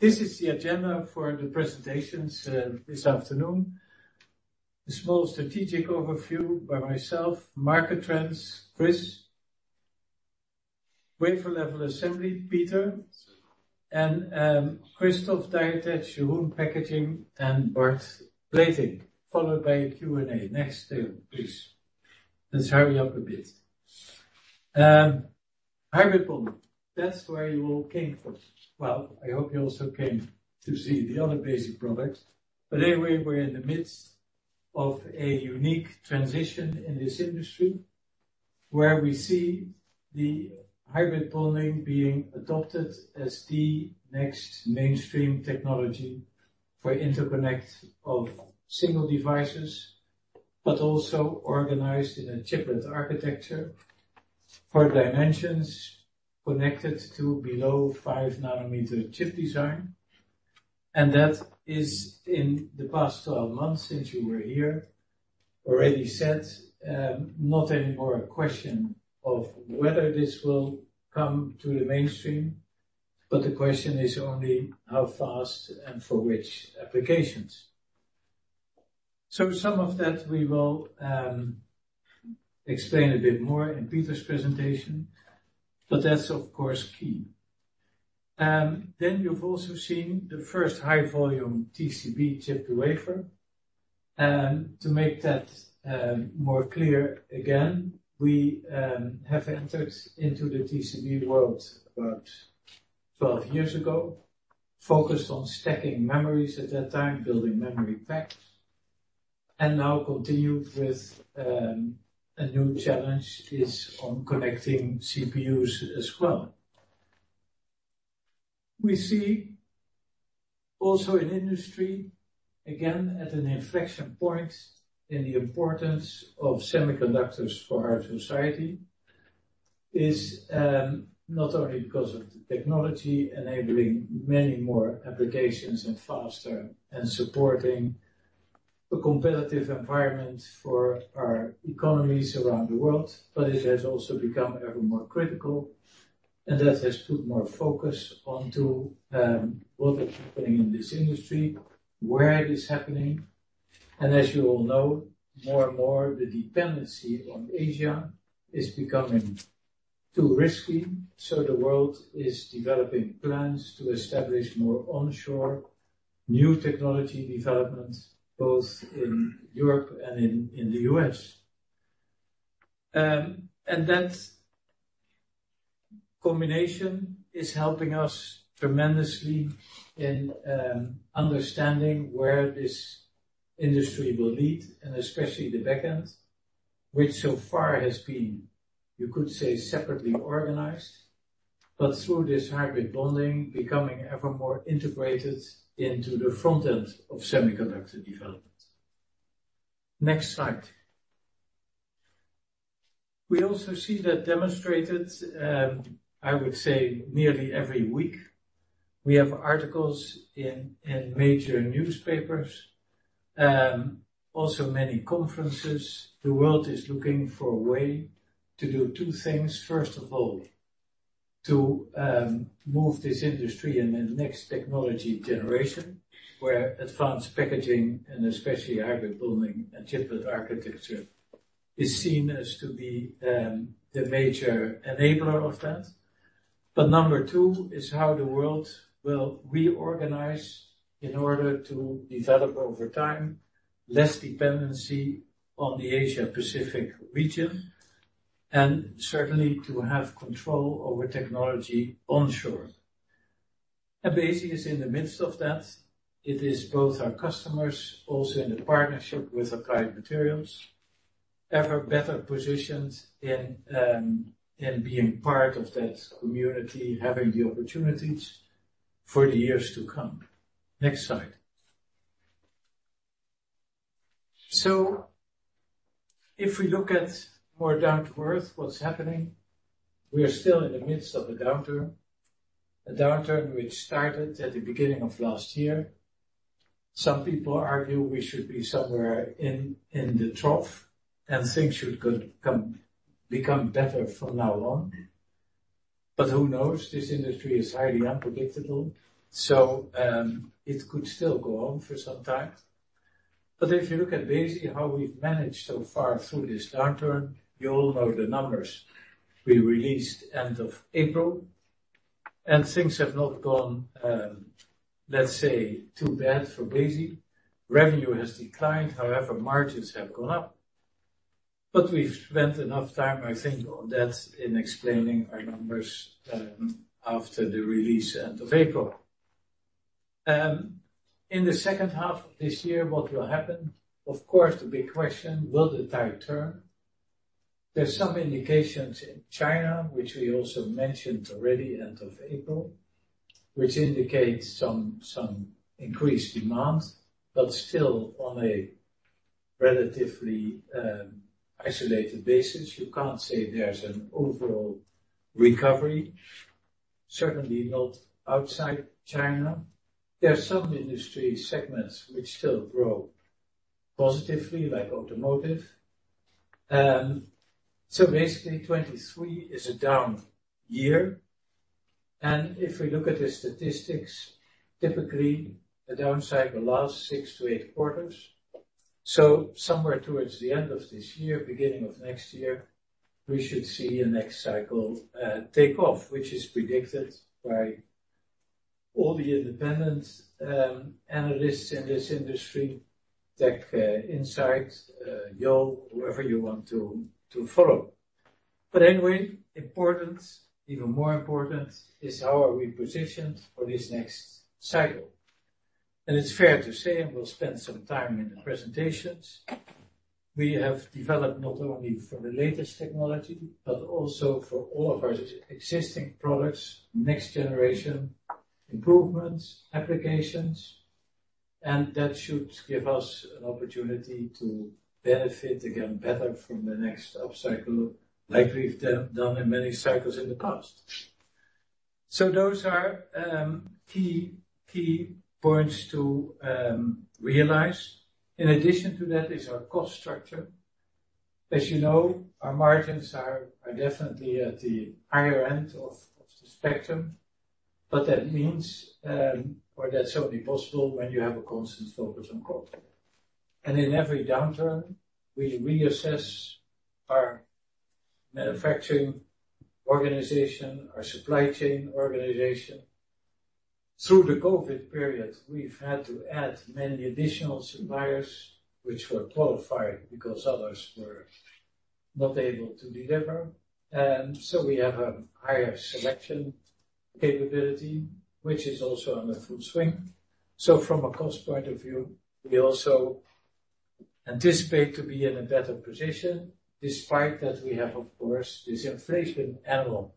This is the agenda for the presentations this afternoon. A small strategic overview by myself, market trends, Chris. Wafer level assembly, Peter, and Christoph, Die Attach, Shihun Packaging, and Bart, plating, followed by a Q&A. Next slide, please. Let's hurry up a bit. Hybrid bonding, that's where you all came for. Well, I hope you also came to see the other Besi products, but anyway, we're in the midst of a unique transition in this industry, where we see the hybrid bonding being adopted as the next mainstream technology for interconnect of single devices, but also organized in a chiplet architecture for dimensions connected to below 5 nanometer chip design. That is in the past 12 months since you were here, already set, not anymore a question of whether this will come to the mainstream, but the question is only how fast and for which applications. Some of that we will explain a bit more in Peter's presentation, but that's, of course, key. Then you've also seen the first high volume TCB chip to wafer. To make that more clear, again, we have entered into the TCB world about 12 years ago, focused on stacking memories at that time, building memory packs, and now continued with a new challenge is on connecting CPUs as well. We see also in industry, again, at an inflection point in the importance of semiconductors for our society, is, not only because of the technology enabling many more applications and faster, and supporting a competitive environment for our economies around the world, but it has also become ever more critical. That has put more focus onto, what is happening in this industry, where it is happening. As you all know, more and more, the dependency on Asia is becoming too risky, so the world is developing plans to establish more onshore, new technology developments, both in Europe and in the U.S. That combination is helping us tremendously in understanding where this industry will lead, and especially the back end, which so far has been, you could say, separately organized, but through this hybrid bonding, becoming ever more integrated into the front end of semiconductor development. Next slide. We also see that demonstrated, I would say nearly every week. We have articles in major newspapers, also many conferences. The world is looking for a way to do 2 things. First of all, to move this industry in the next technology generation, where advanced packaging, and especially hybrid bonding and chiplet architecture, is seen as to be the major enabler of that. Number 2 is how the world will reorganize in order to develop over time, less dependency on the Asia-Pacific region, and certainly to have control over technology onshore. BESI is in the midst of that. It is both our customers, also in the partnership with Applied Materials, ever better positioned in being part of that community, having the opportunities for the years to come. Next slide. If we look at more down to earth, what's happening, we are still in the midst of a downturn. A downturn which started at the beginning of last year. Some people argue we should be somewhere in the trough, and things should become better from now on. Who knows? This industry is highly unpredictable, it could still go on for some time. If you look at basically how we've managed so far through this downturn, you all know the numbers we released end of April, things have not gone, let's say, too bad for BESI. Revenue has declined, however, margins have gone up. We've spent enough time, I think, on that, in explaining our numbers after the release end of April. In the second half of this year, what will happen? Of course, the big question: will the tide turn? There are some indications in China, which we also mentioned already end of April, which indicates some increased demand, but still on a relatively isolated basis. You can't say there's an overall recovery, certainly not outside China. There are some industry segments which still grow positively, like automotive. Basically, 2023 is a down year. If we look at the statistics, typically, the down cycle lasts six to eight quarters. Somewhere towards the end of this year, beginning of next year, we should see a next cycle take off, which is predicted by all the independent analysts in this industry, TechInsights, Yole, whoever you want to follow. Important, even more important is how are we positioned for this next cycle? It's fair to say, and we'll spend some time in the presentations, we have developed not only for the latest technology, but also for all of our existing products, next generation improvements, applications, and that should give us an opportunity to benefit again, better from the next upcycle like we've done in many cycles in the past. Those are key points to realize. In addition to that is our cost structure. As you know, our margins are definitely at the higher end of the spectrum, That means, or that's only possible when you have a constant focus on cost. In every downturn, we reassess our manufacturing organization, our supply chain organization. Through the COVID period, we've had to add many additional suppliers, which were qualified because others were not able to deliver, and so we have a higher selection capability, which is also on a full swing. From a cost point of view, we also anticipate to be in a better position, despite that we have, of course, this inflation analog.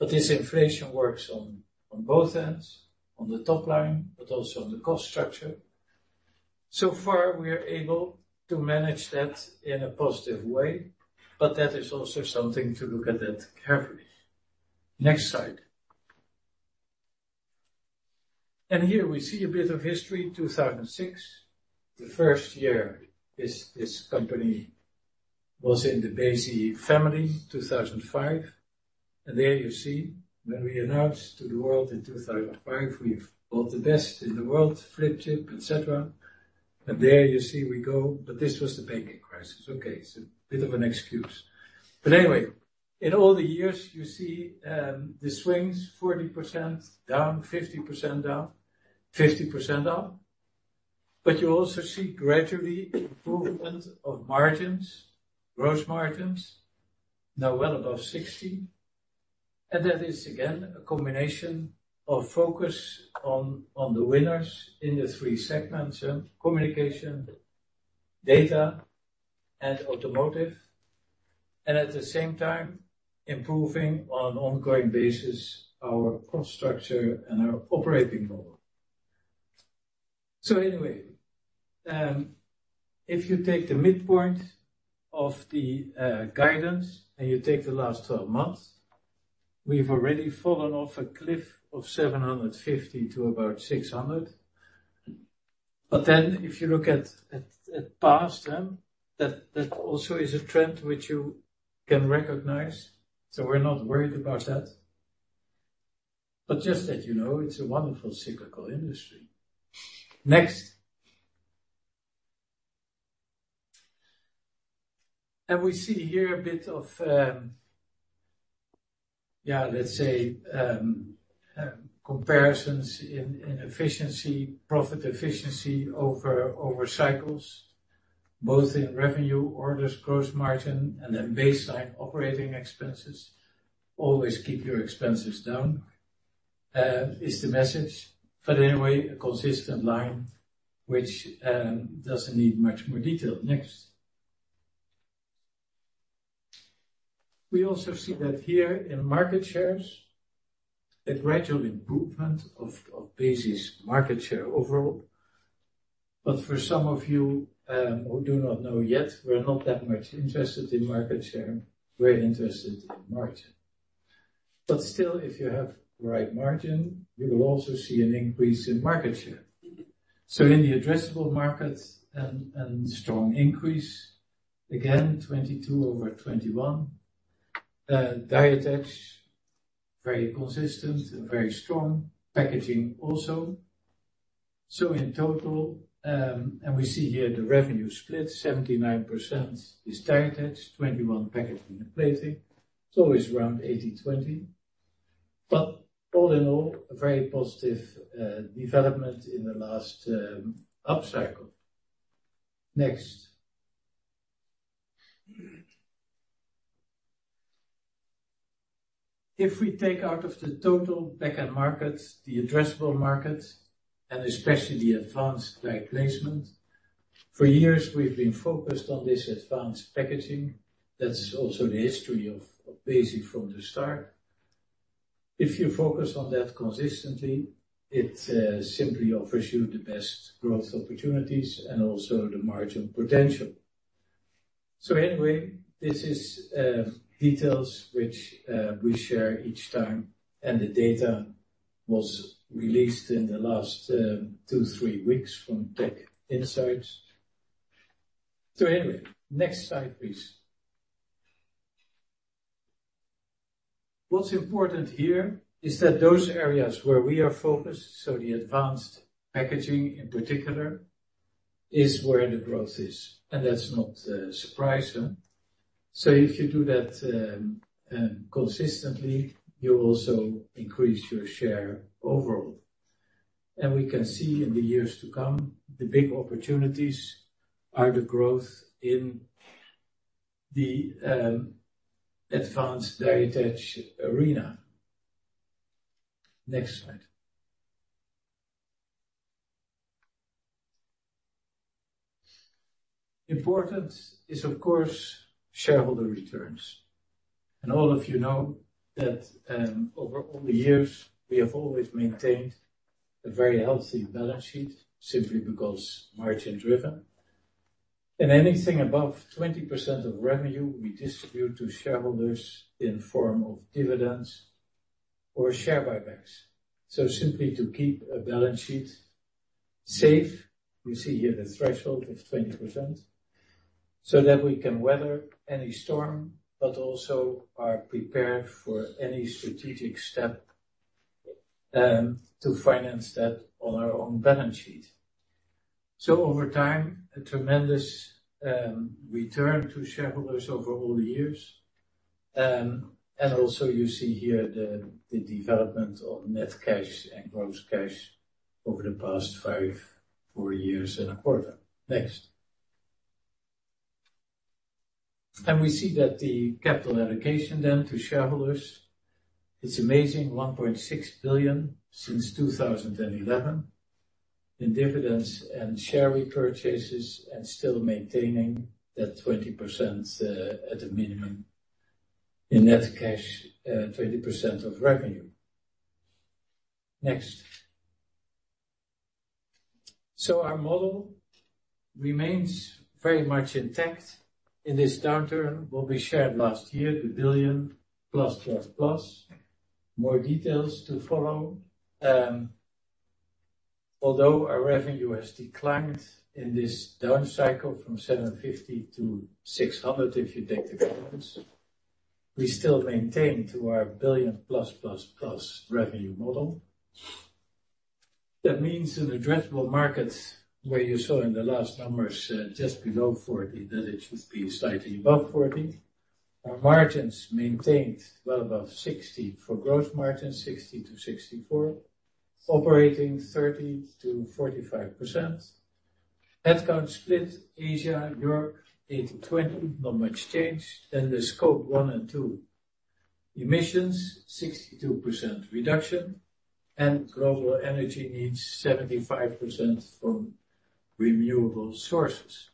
This inflation works on both ends, on the top line, but also on the cost structure. Far, we are able to manage that in a positive way, but that is also something to look at it carefully. Next slide. Here we see a bit of history, 2006, the first year this company was in the Besi family, 2005. There you see, when we announced to the world in 2005, we've built the best in the world, flip chip, etc. There you see we go, but this was the banking crisis. Okay, it's a bit of an excuse. Anyway, in all the years you see the swings, 40% down, 50% down, 50% up. You also see gradually improvement of margins, gross margins, now well above 60%. That is, again, a combination of focus on the winners in the three segments, communication, data, and automotive, and at the same time, improving on an ongoing basis, our cost structure and our operating model. If you take the midpoint of the guidance and you take the last 12 months, we've already fallen off a cliff of 750 to about 600. If you look at past, that also is a trend which you can recognize. We're not worried about that. Just that you know, it's a wonderful cyclical industry. Next. We see here a bit of, yeah, let's say, comparisons in efficiency, profit efficiency over cycles, both in revenue, orders, gross margin, and then baseline operating expenses. Always keep your expenses down, is the message. A consistent line which doesn't need much more detail. Next. We also see that here in market shares, a gradual improvement of Besi's market share overall. For some of you, who do not know yet, we're not that much interested in market share. We're interested in margin. Still, if you have the right margin, you will also see an increase in market share. In the addressable markets, strong increase, again, 22 over 21. Die attach, very consistent and very strong. Packaging also. In total, and we see here the revenue split, 79% is die attach, 21 packaging and plating. It's always around 80, 20. All in all, a very positive development in the last upcycle. Next. If we take out of the total back-end markets, the addressable markets, and especially the advanced package placement, for years, we've been focused on this advanced packaging. That's also the history of Besi from the start. If you focus on that consistently, it simply offers you the best growth opportunities and also the margin potential. This is details which we share each time, and the data was released in the last 2, 3 weeks from TechInsights. Next slide, please. What's important here is that those areas where we are focused, so the advanced packaging in particular, is where the growth is, and that's not surprising. If you do that consistently, you also increase your share overall. We can see in the years to come, the big opportunities are the growth in the advanced die attach arena. Next slide. Important is, of course, shareholder returns. All of you know that over all the years, we have always maintained a very healthy balance sheet, simply because margin-driven. Anything above 20% of revenue, we distribute to shareholders in form of dividends or share buybacks. Simply to keep a balance sheet safe, you see here the threshold of 20%, so that we can weather any storm, but also are prepared for any strategic step to finance that on our own balance sheet. Over time, a tremendous return to shareholders over all the years. Also you see here the development of net cash and gross cash over the past five, four years and a quarter. Next. We see that the capital allocation then to shareholders, it's amazing, 1.6 billion since 2011 in dividends and share repurchases, and still maintaining that 20% at a minimum in net cash, 20% of revenue. Next. Our model remains very much intact in this downturn. What we shared last year, the billion plus, plus. More details to follow. Although our revenue has declined in this down cycle from 750 to 600, if you take the payments, we still maintain to our billion plus, plus revenue model. That means in addressable markets, where you saw in the last numbers, just below 40%, that it should be slightly above 40%. Our margins maintained well above 60%. For gross margin, 60%-64%, operating 30%-45%. Headcount split, Asia, Europe, 80/20, not much change. The Scope 1 and 2. Emissions, 62% reduction, and global energy needs 75% from renewable sources.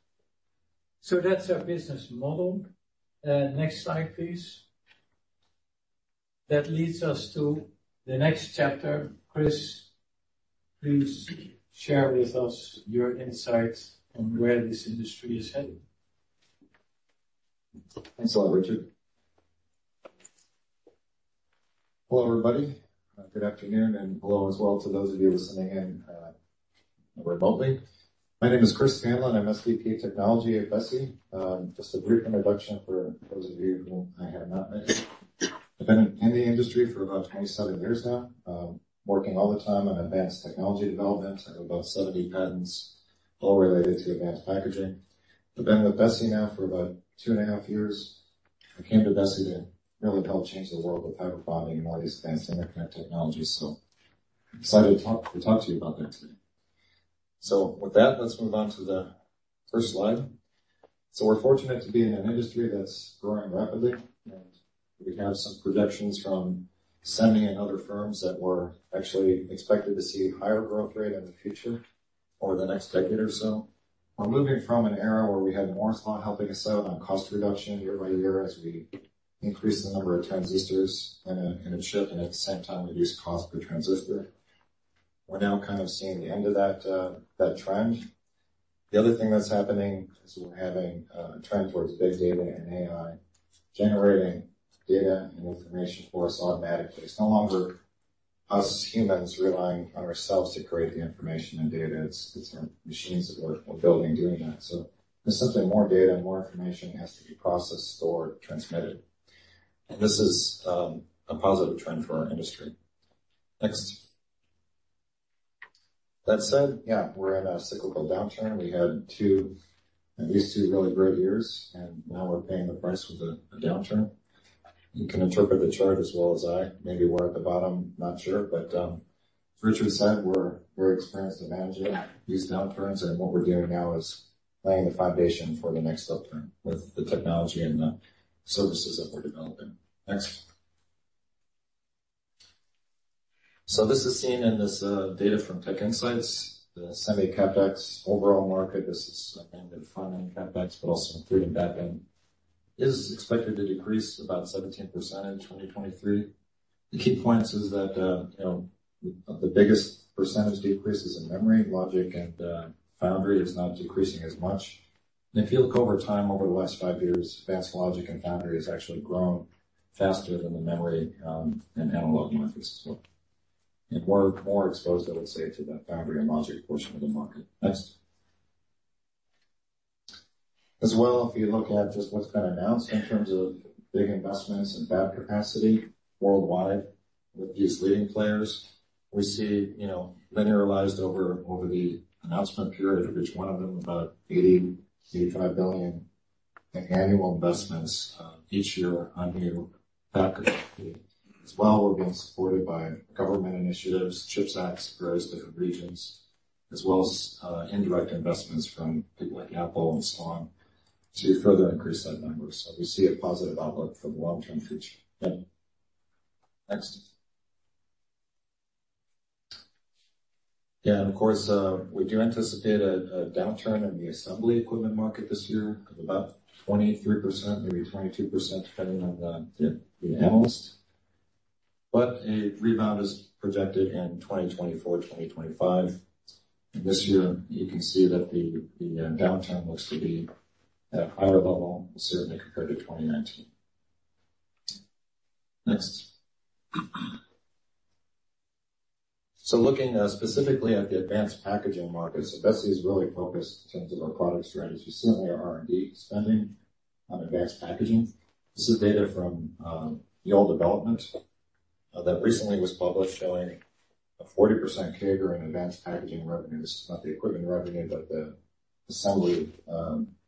That's our business model. Next slide, please. That leads us to the next chapter. Please share with us your insights on where this industry is heading. Thanks a lot, Richard. Hello, everybody. Good afternoon, and hello as well to those of you listening in remotely. My name is Chris Scanlan, I'm SVP Technology at BESI. Just a brief introduction for those of you who I have not met. I've been in the industry for about 27 years now, working all the time on advanced technology development. I have about 70 patents, all related to advanced packaging. I've been with BESI now for about 2.5 years. I came to BESI to really help change the world with hybrid bonding and all these advanced Internet technologies. I'm excited to talk to you about that today. With that, let's move on to the first slide. We're fortunate to be in an industry that's growing rapidly, and we have some projections from Gartner and other firms that we're actually expected to see higher growth rate in the future or the next decade or so. We're moving from an era where we had Moore's Law helping us out on cost reduction year by year as we increased the number of transistors in a chip, and at the same time, reduce cost per transistor. We're now kind of seeing the end of that trend. The other thing that's happening is we're having a trend towards big data and AI, generating data and information for us automatically. It's no longer us as humans relying on ourselves to create the information and data. It's our machines that we're building doing that. There's simply more data, more information has to be processed or transmitted. This is a positive trend for our industry. Next. That said, yeah, we're in a cyclical downturn. We had at least two really great years, and now we're paying the price with a downturn. You can interpret the chart as well as I. Maybe we're at the bottom, not sure, but Richard said, we're experienced in managing these downturns, and what we're doing now is laying the foundation for the next upturn with the technology and the services that we're developing. Next. This is seen in this data from TechInsights, the semi CapEx overall market. This is front-end CapEx, but also including back-end, is expected to decrease about 17% in 2023. The key points is that, you know, the biggest percentage decreases in memory, logic, and foundry is not decreasing as much. If you look over time, over the last five years, fast logic and foundry has actually grown faster than the memory and analog methods. We're more exposed, I would say, to that foundry and logic portion of the market. Next. If you look at just what's been announced in terms of big investments and fab capacity worldwide with these leading players, we see, you know, linearized over the announcement period, which one of them about 80 billion-85 billion in annual investments each year on new fab capacity. We're being supported by government initiatives, CHIPS Acts, various different regions, as well as indirect investments from people like Apple and so on, to further increase that number. We see a positive outlook for the long-term future. Next. Of course, we do anticipate a downturn in the assembly equipment market this year of about 23%, maybe 22%, depending on the analyst. A rebound is projected in 2024, 2025. This year, you can see that the downturn looks to be at a higher level certainly compared to 2019. Next. Looking specifically at the advanced packaging markets, Besi is really focused in terms of our product strategies. We certainly are R&D spending on advanced packaging. This is data from Yole Development that recently was published showing a 40% CAGR in advanced packaging revenue. This is not the equipment revenue, but the assembly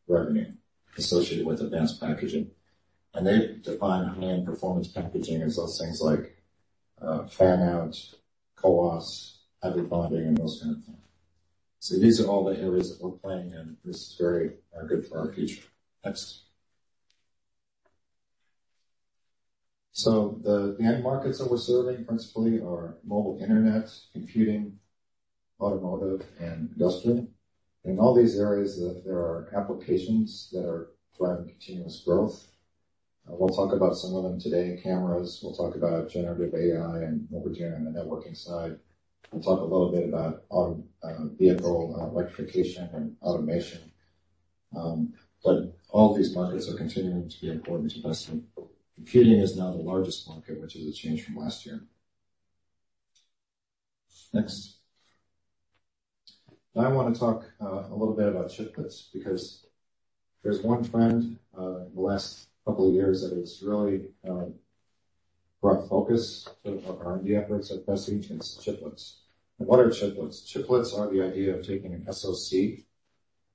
revenue associated with advanced packaging. They define high-end performance packaging as those things like, fan-out, CoWoS, hybrid bonding, and those kind of things. These are all the areas that we're playing in. This is very good for our future. Next. The end markets that we're serving principally are mobile internet, computing, automotive, and industrial. In all these areas, there are applications that are driving continuous growth. We'll talk about some of them today, cameras. We'll talk about generative AI and over again, on the networking side. We'll talk a little bit about auto, vehicle, electrification and automation. All these markets are continuing to be important to Besi. Computing is now the largest market, which is a change from last year. Next. Now, I want to talk a little bit about chiplets, because there's one trend in the last couple of years that has really brought focus to our R&D efforts at Besi, and it's chiplets. What are chiplets? Chiplets are the idea of taking an SoC,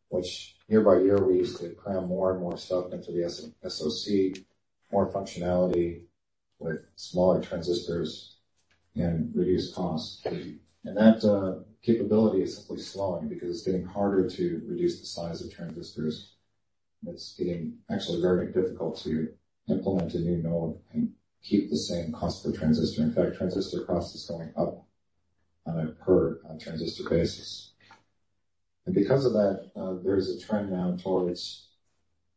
which year by year, we used to cram more and more stuff into the SoC, more functionality with smaller transistors and reduce costs. That capability is simply slowing because it's getting harder to reduce the size of transistors. It's getting actually very difficult to implement a new node and keep the same cost per transistor. In fact, transistor cost is going up on a per transistor basis. Because of that, there is a trend now towards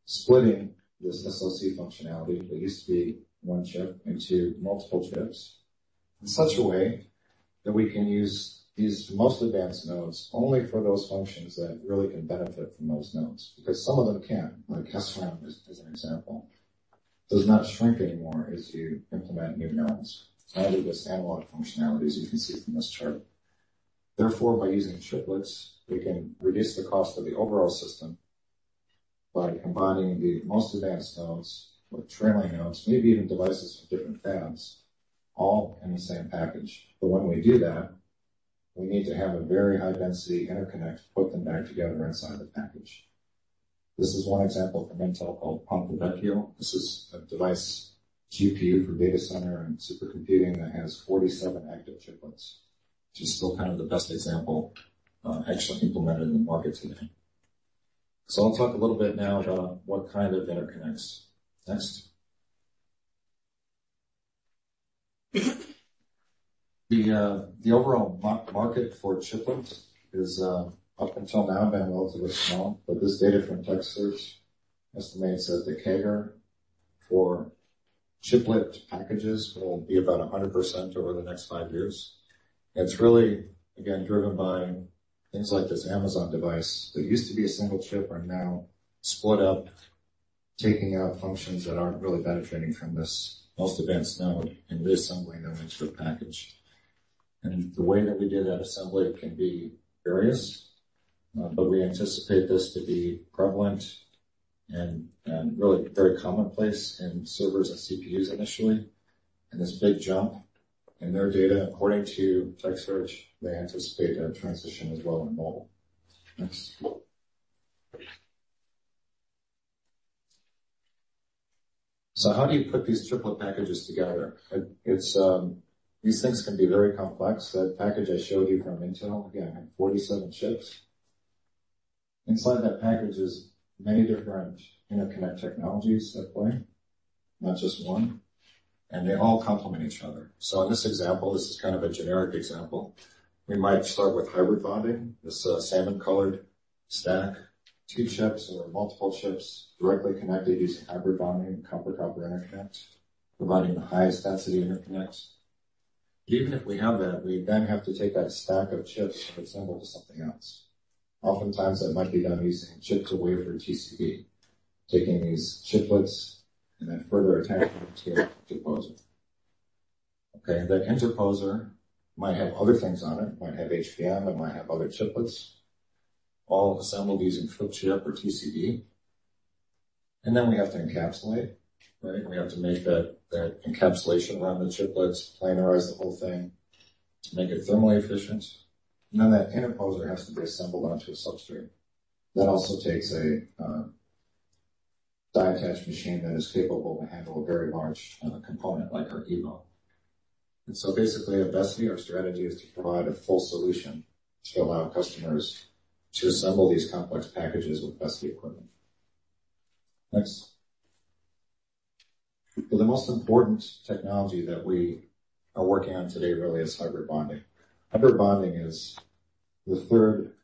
splitting this SoC functionality that used to be one chip into multiple chips, in such a way that we can use these most advanced nodes only for those functions that really can benefit from those nodes, because some of them can't. Like SRAM, as an example, does not shrink anymore as you implement new nodes. Only this analog functionality, as you can see from this chart. Therefore, by using chiplets, we can reduce the cost of the overall system by combining the most advanced nodes with trailing nodes, maybe even devices from different fabs, all in the same package. When we do that, we need to have a very high-density interconnect to put them back together inside the package. This is one example from Intel called Ponte Vecchio. This is a device GPU for data center and supercomputing that has 47 active chiplets, which is still kind of the best example, actually implemented in the market today. I'll talk a little bit now about what kind of interconnects. Next. The overall market for chiplets is up until now, been relatively small, but this data from TechSearch estimates that the CAGR for chiplet packages will be about 100% over the next 5 years. It's really, again, driven by things like this Amazon device, that used to be a single chip, are now split up, taking out functions that aren't really benefiting from this most advanced node and reassembling them into a package. The way that we do that assembly can be various, but we anticipate this to be prevalent and really very commonplace in servers and CPUs initially. This big jump in their data, according to TechSearch, they anticipate a transition as well in mobile. Next. How do you put these triplet packages together? These things can be very complex. That package I showed you from Intel, again, had 47 chips. Inside that package is many different interconnect technologies at play, not just one, and they all complement each other. In this example, this is kind of a generic example. We might start with hybrid bonding, this salmon-colored stack, 2 chips or multiple chips directly connected using hybrid bonding, copper-copper interconnect, providing the highest density interconnects. Even if we have that, we then have to take that stack of chips and assemble to something else. Oftentimes, that might be done using chip-to-wafer TCB, taking these chiplets and then further attaching them to interposer. That interposer might have other things on it. It might have HBM, it might have other chiplets, all assembled using flip chip or TCB. We have to encapsulate, right? We have to make that encapsulation around the chiplets, planarize the whole thing to make it thermally efficient. That interposer has to be assembled onto a substrate. That also takes a die attach machine that is capable to handle a very large component like our Evo. Basically, at Vestige, our strategy is to provide a full solution to allow customers to assemble these complex packages with less equipment. Next. The most important technology that we are working on today really is hybrid bonding. Hybrid bonding is the third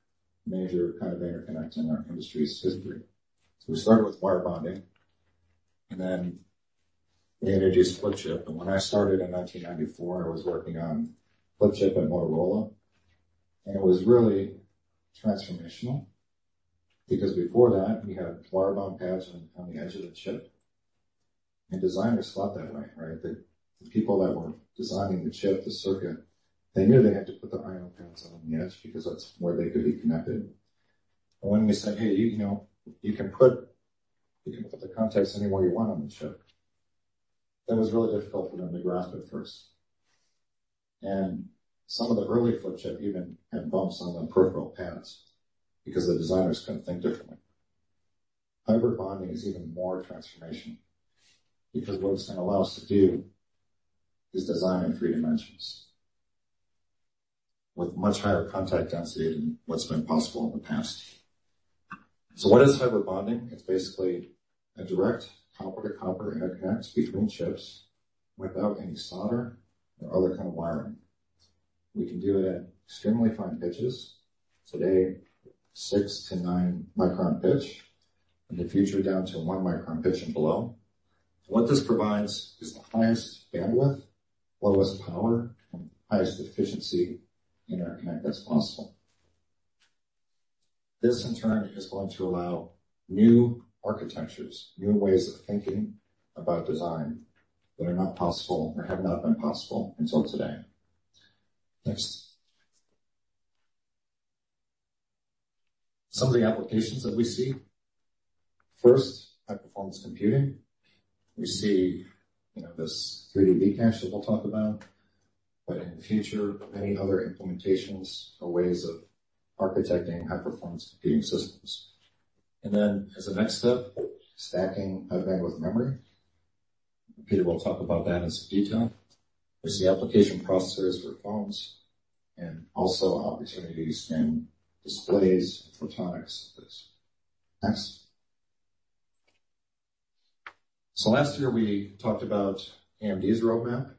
major kind of interconnect in our industry's history. We started with wire bonding, and then we introduced flip chip. When I started in 1994, I was working on flip chip at Motorola, and it was really transformational because before that, we had wire bond pads on the edge of the chip, and designers thought that way, right? The people that were designing the chip, the circuit, they knew they had to put the I/O pads on the edge because that's where they could be connected. When we said, "Hey, you know, you can put the contacts anywhere you want on the chip," that was really difficult for them to grasp at first. Some of the early flip chip even had bumps on the peripheral pads because the designers couldn't think differently. Hybrid bonding is even more transformational because what it's going to allow us to do is design in three dimensions with much higher contact density than what's been possible in the past. What is hybrid bonding? It's basically a direct copper-to-copper interconnect between chips without any solder or other kind of wiring. We can do it at extremely fine pitches. Today, 6-9 micron pitch, in the future, down to 1 micron pitch and below. What this provides is the highest bandwidth, lowest power, and highest efficiency in our connect that's possible. This, in turn, is going to allow new architectures, new ways of thinking about design that are not possible or have not been possible until today. Next. Some of the applications that we see. First, high-performance computing. We see, you know, this 3D V-Cache that we'll talk about, but in the future, many other implementations or ways of architecting high-performance computing systems. Then as a next step, stacking high-bandwidth memory. Peter will talk about that in some detail. There's the application processors for phones and also opportunities in displays, photonics. Next. Last year, we talked about AMD's roadmap,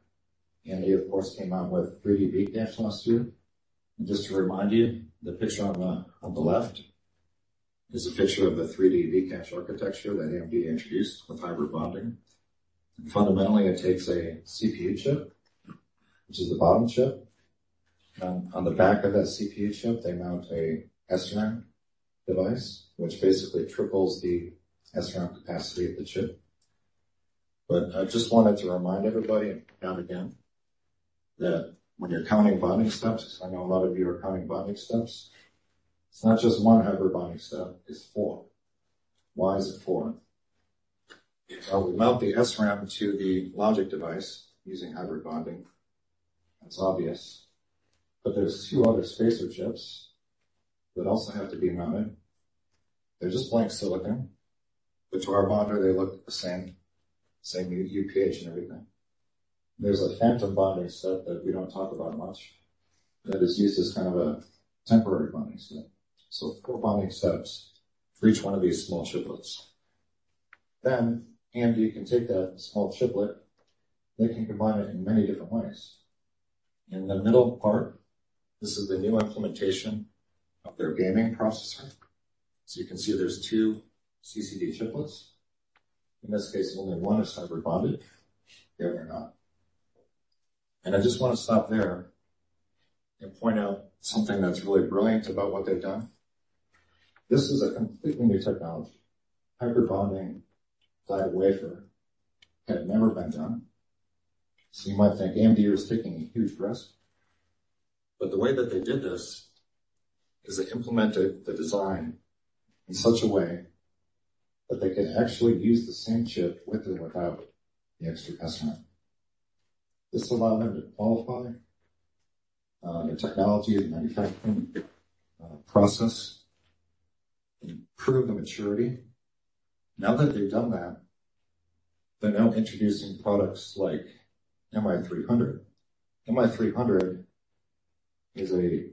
and they, of course, came out with 3D V-Cache last year. Just to remind you, the picture on the, on the left is a picture of the 3D V-Cache architecture that AMD introduced with hybrid bonding. Fundamentally, it takes a CPU chip, which is the bottom chip. On the back of that CPU chip, they mount a SRAM device, which basically triples the SRAM capacity of the chip. I just wanted to remind everybody, and again, that when you're counting bonding steps, I know a lot of you are counting bonding steps, it's not just 1 hybrid bonding step, it's 4. Why is it 4? We mount the SRAM to the logic device using hybrid bonding. That's obvious, but there's 2 other spacer chips that also have to be mounted. They're just blank silicon, but to our bonder, they look the same UPH and everything. There's a phantom bonding step that we don't talk about much that is used as kind of a temporary bonding step. 4 bonding steps for each 1 of these small chiplets. AMD can take that small chiplet, they can combine it in many different ways. In the middle part, this is the new implementation of their gaming processor. You can see there's 2 CCD chiplets. In this case, only one is hybrid bonded, the other not. I just want to stop there and point out something that's really brilliant about what they've done. This is a completely new technology. Hybrid bonding die wafer had never been done, so you might think AMD is taking a huge risk. The way that they did this is they implemented the design in such a way that they can actually use the same chip with or without the extra SRAM. This allowed them to qualify, their technology, the manufacturing, process, and improve the maturity. Now that they've done that, they're now introducing products like MI300. MI300 is a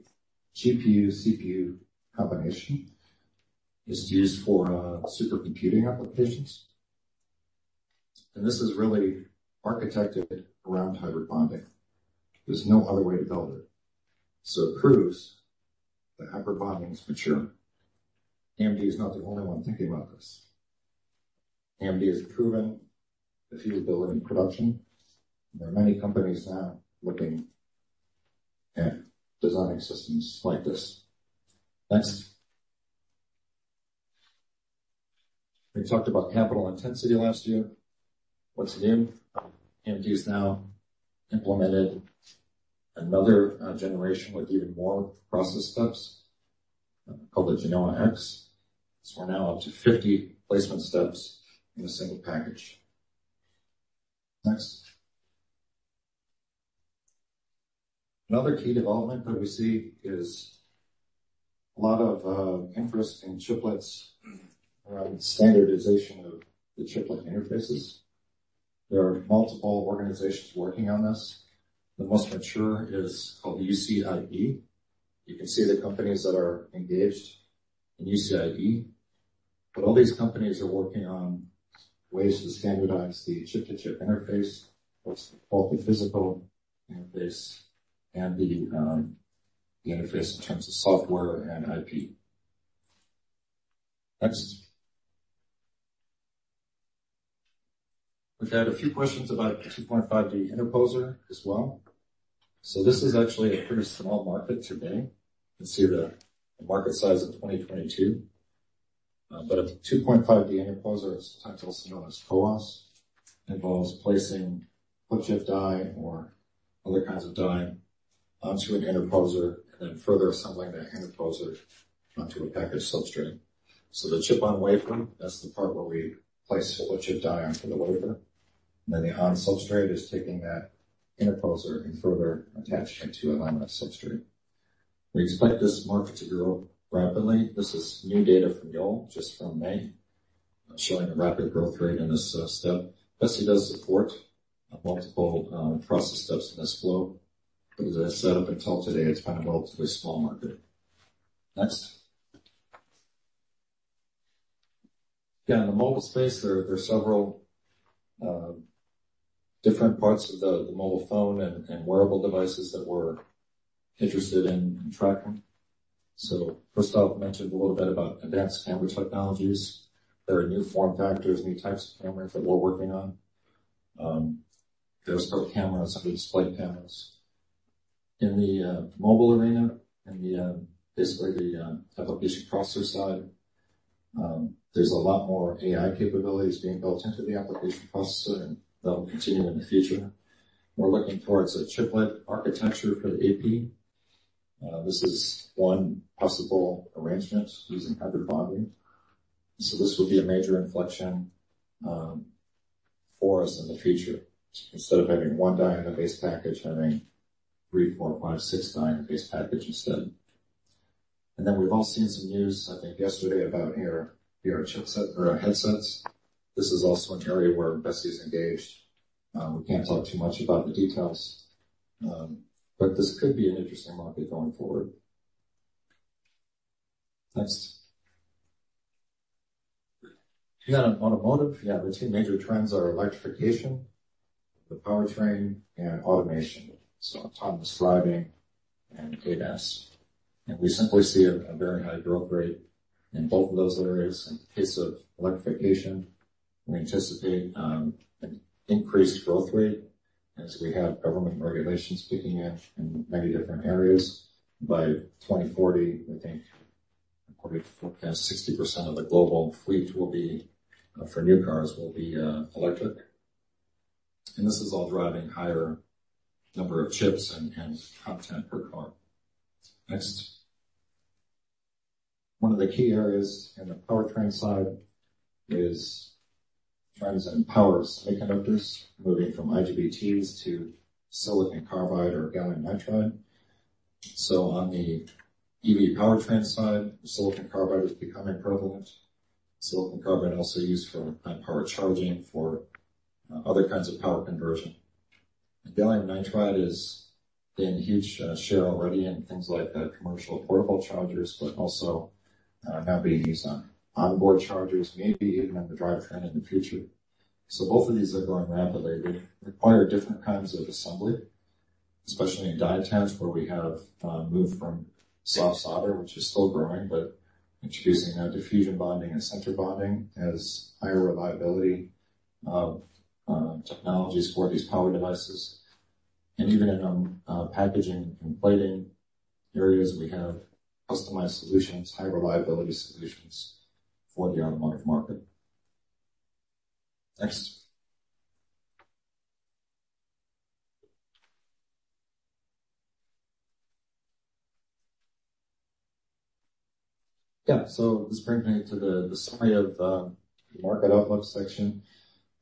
GPU-CPU combination. It's used for, supercomputing applications, and this is really architected around hybrid bonding. There's no other way to build it. It proves that hybrid bonding is mature. AMD is not the only one thinking about this. AMD has proven the feasibility in production, and there are many companies now looking at designing systems like this. Next. We talked about capital intensity last year. What's new? AMD has now implemented another generation with even more process steps, called the Genoa-X. We're now up to 50 placement steps in a single package. Next. Another key development that we see is a lot of interest in chiplets, around standardization of the chiplet interfaces. There are multiple organizations working on this. The most mature is called the UCIe. You can see the companies that are engaged in UCIe, but all these companies are working on ways to standardize the chip-to-chip interface, both the physical interface and the interface in terms of software and IP. Next. We've had a few questions about the 2.5D interposer as well. This is actually a pretty small market today. You can see the market size of 2022. But a 2.5D interposer, it's sometimes also known as CoWoS, involves placing flip chip die or other kinds of die onto an interposer and then further assembling that interposer onto a package substrate. The chip-on-wafer, that's the part where we place a chip die onto the wafer, and then the on-substrate is taking that interposer and further attaching it to an underlying substrate. We expect this market to grow rapidly. This is new data from Yole, just from May, showing a rapid growth rate in this step. BESI does support multiple process steps in this flow, but as I said up until today, it's been a relatively small market. Next. Yeah, in the mobile space, there are several different parts of the mobile phone and wearable devices that we're interested in tracking. Christoph mentioned a little bit about advanced camera technologies. There are new form factors, new types of cameras that we're working on. There's pro cameras under display panels. In the mobile arena and the basically the application processor side, there's a lot more AI capabilities being built into the application processor, and that will continue in the future. We're looking towards a chiplet architecture for the AP. This is one possible arrangement using hybrid bonding. This will be a major inflection for us in the future. Instead of having 1 die in a base package, having 3, 4, 5, 6 die in a base package instead. We've all seen some news, I think yesterday, about AR, VR chipset or headsets. This is also an area where BESI is engaged. We can't talk too much about the details, but this could be an interesting market going forward. Next. In automotive, yeah, the two major trends are electrification, the powertrain, and automation, so autonomous driving and ADAS. We simply see a very high growth rate in both of those areas. In the case of electrification, we anticipate an increased growth rate as we have government regulations kicking in many different areas. By 2040, we think, according to forecast, 60% of the global fleet will be for new cars, will be electric. This is all driving higher number of chips and content per car. Next. One of the key areas in the powertrain side is trends in power semiconductors, moving from IGBTs to silicon carbide or gallium nitride. On the EV powertrain side, silicon carbide is becoming prevalent. Silicon carbide also used for high power charging, for other kinds of power conversion. Gallium nitride is in huge share already in things like commercial portable chargers, but also now being used on onboard chargers, maybe even in the drivetrain in the future. Both of these are growing rapidly, require different kinds of assembly, especially in die attachments, where we have moved from soft solder, which is still growing, but introducing diffusion bonding and sinter bonding as higher reliability of technologies for these power devices. Even in packaging and plating areas, we have customized solutions, high reliability solutions for the automotive market. Next. This brings me to the summary of the market outlook section.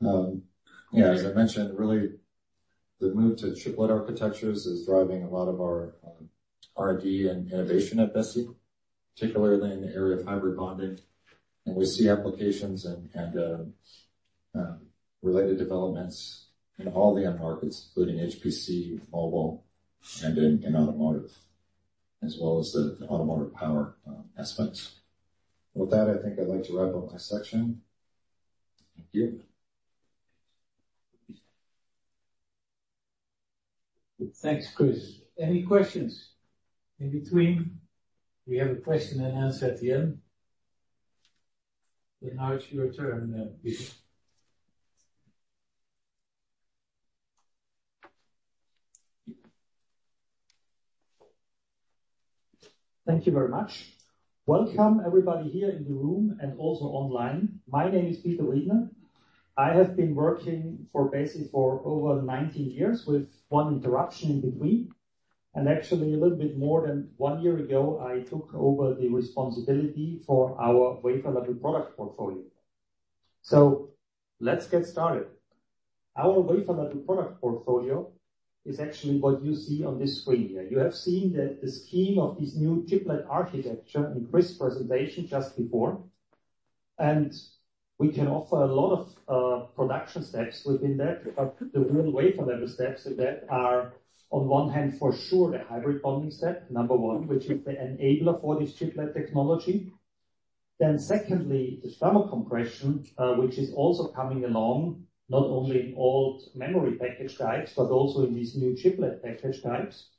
As I mentioned, really, the move to chiplet architectures is driving a lot of our R&D and innovation at BESI, particularly in the area of hybrid bonding. We see applications and related developments in all the end markets, including HPC, mobile, and in automotive, as well as the automotive power aspects. With that, I think I'd like to wrap up my section. Thank you. Thanks, Chris. Any questions in between? We have a question and answer at the end. Now it's your turn, please. Thank you very much. Welcome, everybody here in the room and also online. My name is Peter Wiedner. I have been working for Besi for over 19 years, with one interruption in between. Actually, a little bit more than one year ago, I took over the responsibility for our wafer-level product portfolio. Let's get started. Our wafer-level product portfolio is actually what you see on this screen here. You have seen that the scheme of this new chiplet architecture in Chris' presentation just before, and we can offer a lot of production steps within that. The real wafer-level steps in that are, on one hand, for sure, the hybrid bonding step, number one, which is the enabler for this chiplet technology. Secondly, the thermal compression, which is also coming along not only in old memory package types, but also in these new chiplet package types.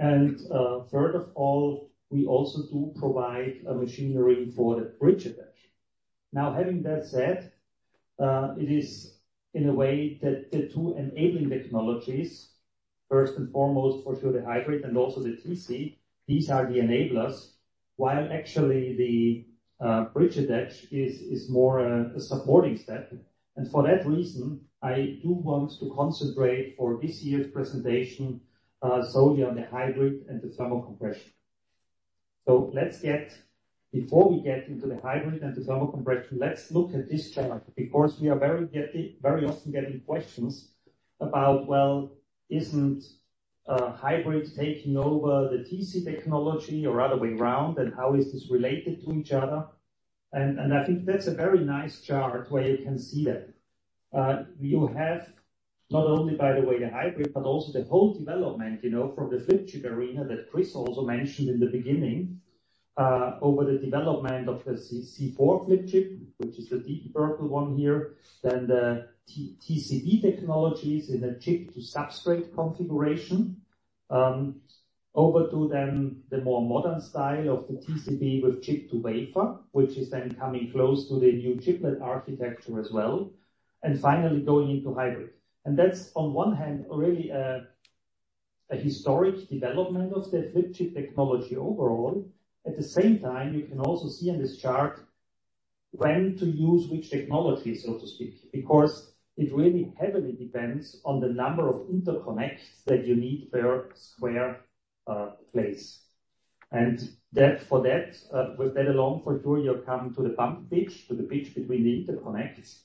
Third of all, we also do provide machinery for the bridge attach. Having that said, it is in a way that the two enabling technologies, first and foremost, for sure, the hybrid and also the TC, these are the enablers, while actually the bridge attach is more a supporting step. For that reason, I do want to concentrate for this year's presentation, solely on the hybrid and the thermal compression. Let's get before we get into the hybrid and the thermal compression, let's look at this chart, because we are very often getting questions about, well, isn't hybrid taking over the TC technology or other way around, and how is this related to each other? I think that's a very nice chart where you can see that. You have not only, by the way, the hybrid, but also the whole development, you know, from the flip chip arena that Chris also mentioned in the beginning, over the development of the C4 flip chip, which is the deep purple one here, then the TCB technologies in a chip to substrate configuration, over to then the more modern style of the TCB with chip to wafer, which is then coming close to the new chiplet architecture as well, and finally going into hybrid. That's on one hand, really, a historic development of the flip chip technology overall. At the same time, you can also see on this chart when to use which technology, so to speak, because it really heavily depends on the number of interconnects that you need per square place. That, for that, with that along, for sure, you're coming to the bump pitch, to the pitch between the interconnects.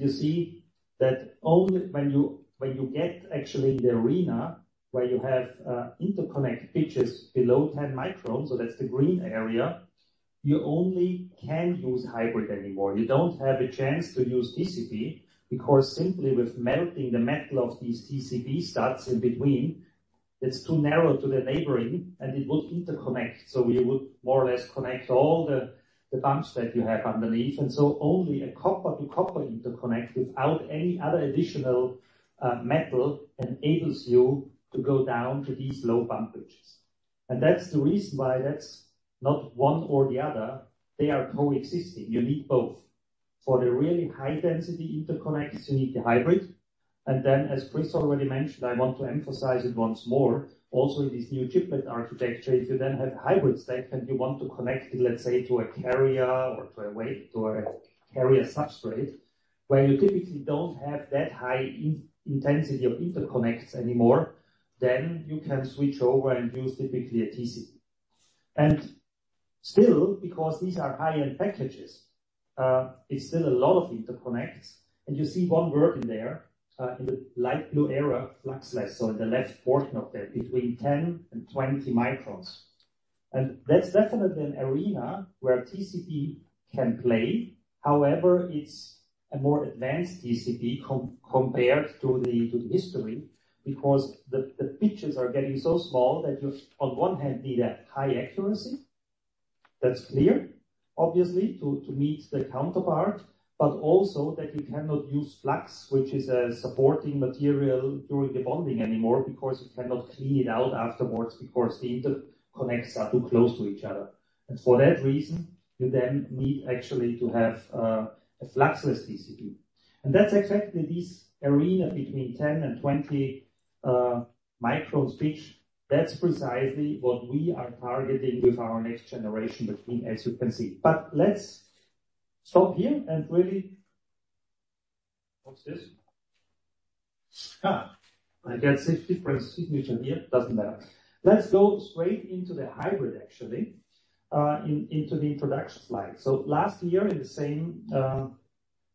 You see that only when you, when you get actually in the arena where you have interconnect pitches below 10 microns, so that's the green area, you only can use hybrid anymore. You don't have a chance to use TCB, because simply with melting the metal of these TCB studs in between, it's too narrow to the neighboring, and it will interconnect. You would more or less connect all the bumps that you have underneath, and so only a copper-to-copper interconnect without any other additional metal, enables you to go down to these low bump pitches. That's the reason why that's not one or the other. They are coexisting. You need both. For the really high-density interconnects, you need the hybrid. As Chris already mentioned, I want to emphasize it once more, also in this new chiplet architecture, if you then have a hybrid stack and you want to connect it, let's say, to a carrier or to a weight, or a carrier substrate, where you typically don't have that high in-intensity of interconnects anymore, then you can switch over and use typically a TCB. Still, because these are high-end packages, it's still a lot of interconnects. You see one work in there, in the light blue area, fluxless, so in the left portion of that, between 10 and 20 microns. That's definitely an arena where TCB can play. However, it's a more advanced TCB compared to the, to the history, because the pitches are getting so small that you, on one hand, need a high accuracy. That's clear, obviously, to meet the counterpart, but also that you cannot use flux, which is a supporting material during the bonding anymore, because you cannot clean it out afterwards, because the interconnects are too close to each other. For that reason, you then need actually to have a fluxless TCB. That's exactly this arena between 10 and 20 microns pitch. That's precisely what we are targeting with our next generation, between as you can see. Let's stop here. What's this? I get six different signatures here. Doesn't matter. Let's go straight into the hybrid, actually, into the introduction slide. Last year, in the same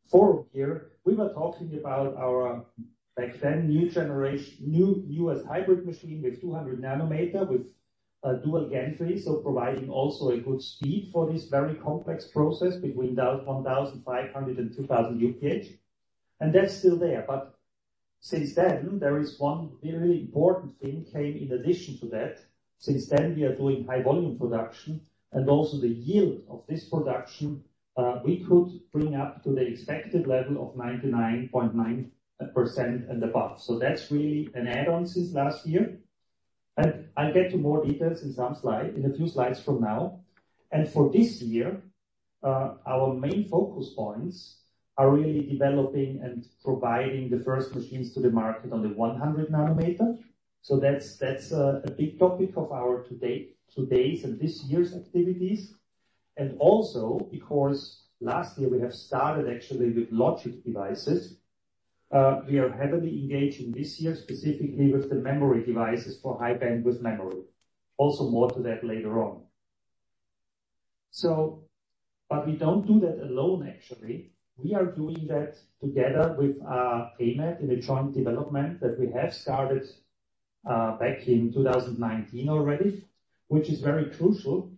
forum here, we were talking about our back then, newest hybrid machine with 200 nanometer, with a dual gantry. Providing also a good speed for this very complex process between 1,500 and 2,000 UPH, that's still there. Since then, there is 1 very important thing came in addition to that. Since then, we are doing high volume production, and also the yield of this production, we could bring up to the expected level of 99.9% and above. That's really an add-on since last year. I'll get to more details in a few slides from now. For this year, our main focus points are really developing and providing the first machines to the market on the 100 nanometer. That's a big topic of our today's and this year's activities. Also, because last year we have started actually with logic devices, we are heavily engaging this year specifically with the memory devices for high-bandwidth memory. More to that later on. We don't do that alone, actually. We are doing that together with AMAT in a joint development that we have started back in 2019 already, which is very crucial,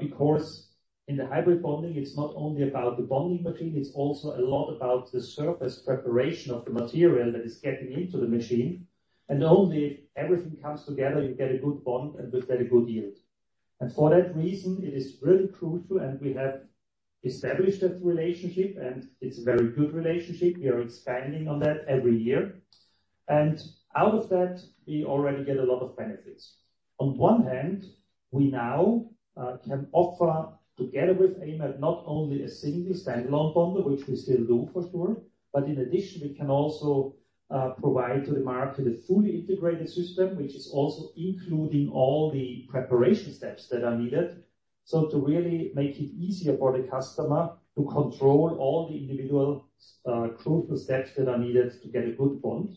because in the hybrid bonding, it's not only about the bonding machine, it's also a lot about the surface preparation of the material that is getting into the machine. Only if everything comes together, you get a good bond, and we get a good yield. For that reason, it is really crucial, and we have established that relationship, and it's a very good relationship. We are expanding on that every year. Out of that, we already get a lot of benefits. On one hand, we now can offer, together with AMAT, not only a single stand-alone bonder, which we still do for sure, but in addition, we can also provide to the market a fully integrated system, which is also including all the preparation steps that are needed. To really make it easier for the customer to control all the individual crucial steps that are needed to get a good bond.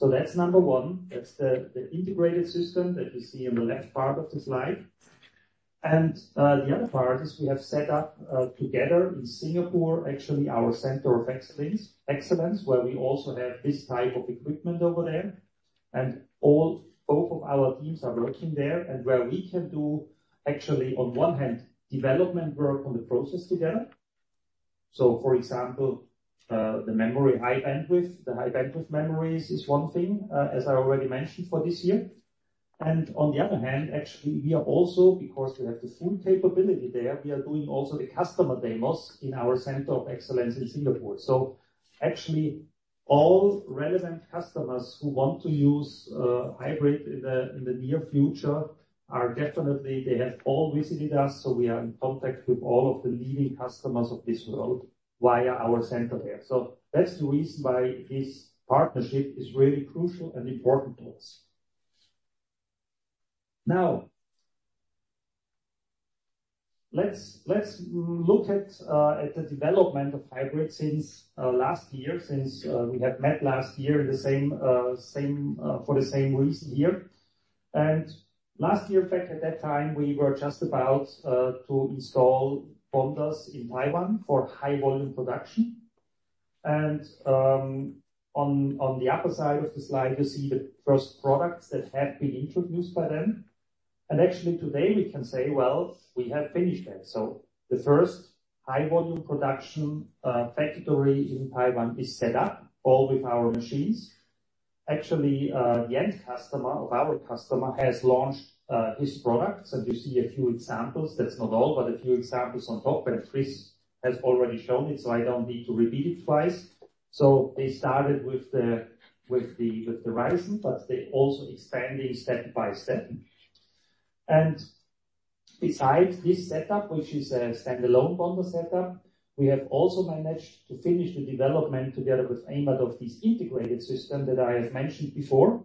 That's number one. That's the integrated system that you see in the left part of the slide. The other part is we have set up together in Singapore, actually, our center of excellence, where we also have this type of equipment over there. All both of our teams are working there, and where we can do, actually, on one hand, development work on the process together. For example, the memory high-bandwidth, the high-bandwidth memories is one thing, as I already mentioned for this year. On the other hand, actually, we are also, because we have the full capability there, we are doing also the customer demos in our center of excellence in Singapore. Actually, all relevant customers who want to use hybrid in the near future are definitely, they have all visited us, so we are in contact with all of the leading customers of this world via our center there. That's the reason why this partnership is really crucial and important to us. Now, let's look at the development of hybrid since last year, since we have met last year in the same, for the same reason here. Last year, in fact, at that time, we were just about to install bonders in Taiwan for high volume production. On the upper side of the slide, you see the first products that have been introduced by them. Actually today, we can say, well, we have finished that. The first high volume production factory in Taiwan is set up all with our machines. Actually, the end customer of our customer has launched his products, and you see a few examples. That's not all, but a few examples on top, and Chris has already shown it, I don't need to repeat it twice. They started with the Ryzen, but they also expanding step by step. Besides this setup, which is a standalone bonder setup, we have also managed to finish the development together with AMAT of this integrated system that I have mentioned before,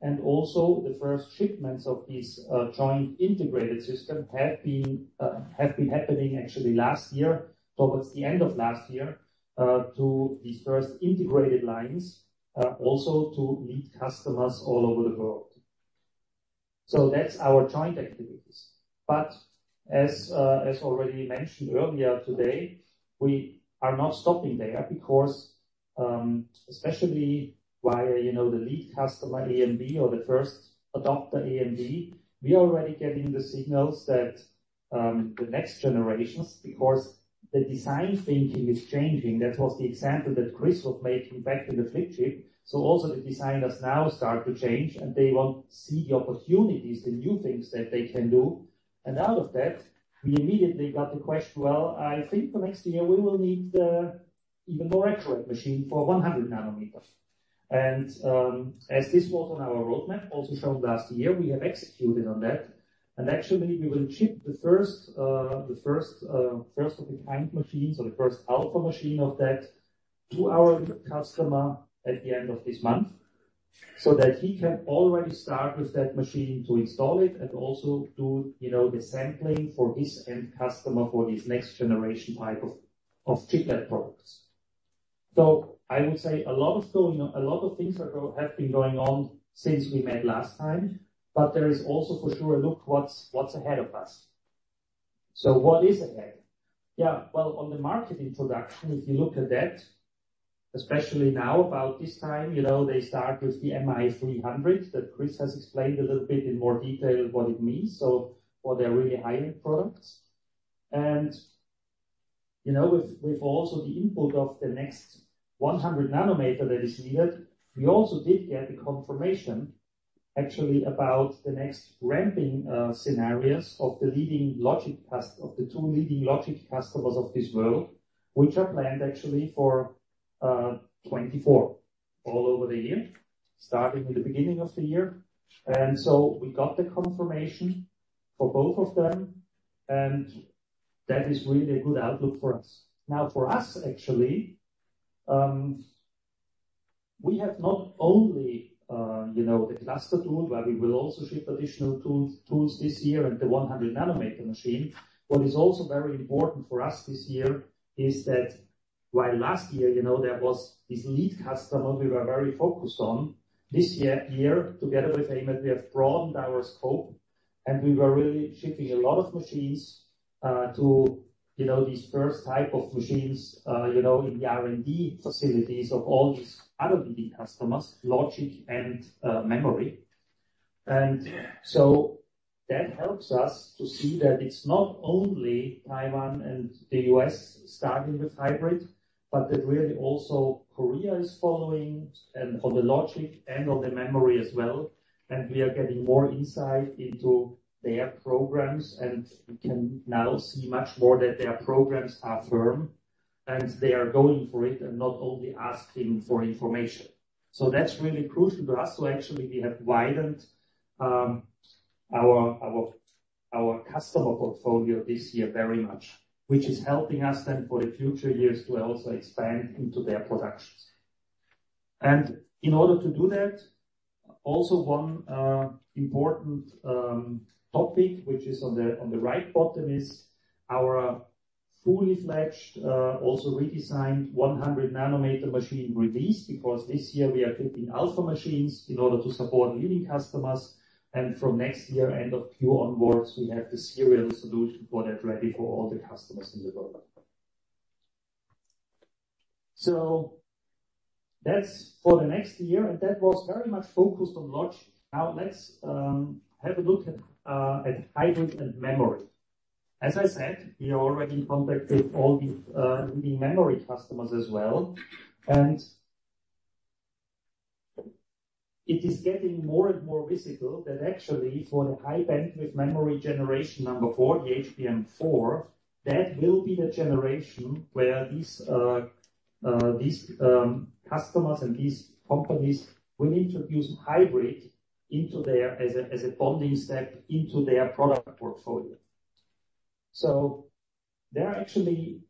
and also the first shipments of this joint integrated system have been happening actually last year, towards the end of last year, to these first integrated lines, also to lead customers all over the world. That's our joint activities. As already mentioned earlier today, we are not stopping there because, especially via, you know, the lead customer, AMD, or the first adopter, AMD, we are already getting the signals that the next generations, because the design thinking is changing. That was the example that Chris was making back in the flip chip. Also the designers now start to change, and they want to see the opportunities, the new things that they can do. Out of that, we immediately got the question: Well, I think the next year we will need even more accurate machine for 100 nanometers. As this was on our roadmap, also shown last year, we have executed on that. Actually, we will ship the first of the kind machine, so the first alpha machine of that, to our customer at the end of this month, so that he can already start with that machine to install it and also do, you know, the sampling for his end customer for this next generation type of chiplet products. I would say a lot of things have been going on since we met last time, but there is also for sure a look what's ahead of us. What is ahead? Yeah, well, on the market introduction, if you look at that, especially now about this time, you know, they start with the MI300, that Chris has explained a little bit in more detail what it means. For their really high-end products. You know, with also the input of the next 100 nanometer that is needed, we also did get a confirmation, actually, about the next ramping scenarios of the two leading logic customers of this world. which are planned actually for 2024, all over the year, starting in the beginning of the year. We got the confirmation for both of them, and that is really a good outlook for us. For us, actually, we have not only, you know, the cluster tool, but we will also ship additional tools this year and the 100 nanometer machine. What is also very important for us this year is that while last year, you know, there was this lead customer we were very focused on, this year, together with AMAT, we have broadened our scope, and we were really shipping a lot of machines, to, you know, these first type of machines, you know, in the R&D facilities of all these other leading customers, logic and memory. That helps us to see that it's not only Taiwan and the U.S. starting with hybrid, but that really also Korea is following, and on the logic and on the memory as well. We are getting more insight into their programs, and we can now see much more that their programs are firm, and they are going for it and not only asking for information. That's really crucial to us. Actually, we have widened our customer portfolio this year very much, which is helping us then for the future years to also expand into their productions. In order to do that, also one important topic, which is on the right bottom, is our fully-fledged, also redesigned 100 nanometer machine release, because this year we are keeping alpha machines in order to support leading customers, and from next year, end of Q onwards, we have the serial solution for that ready for all the customers in the program. That's for the n.xt year, and that was very much focused on logic. Let's have a look at hybrid and memory. As I said, we are already in contact with all the memory customers as well. It is getting more and more visible that actually, for the high bandwidth memory generation 4, the HBM4, that will be the generation where these customers and these companies will introduce hybrid as a bonding step into their product portfolio. There are actually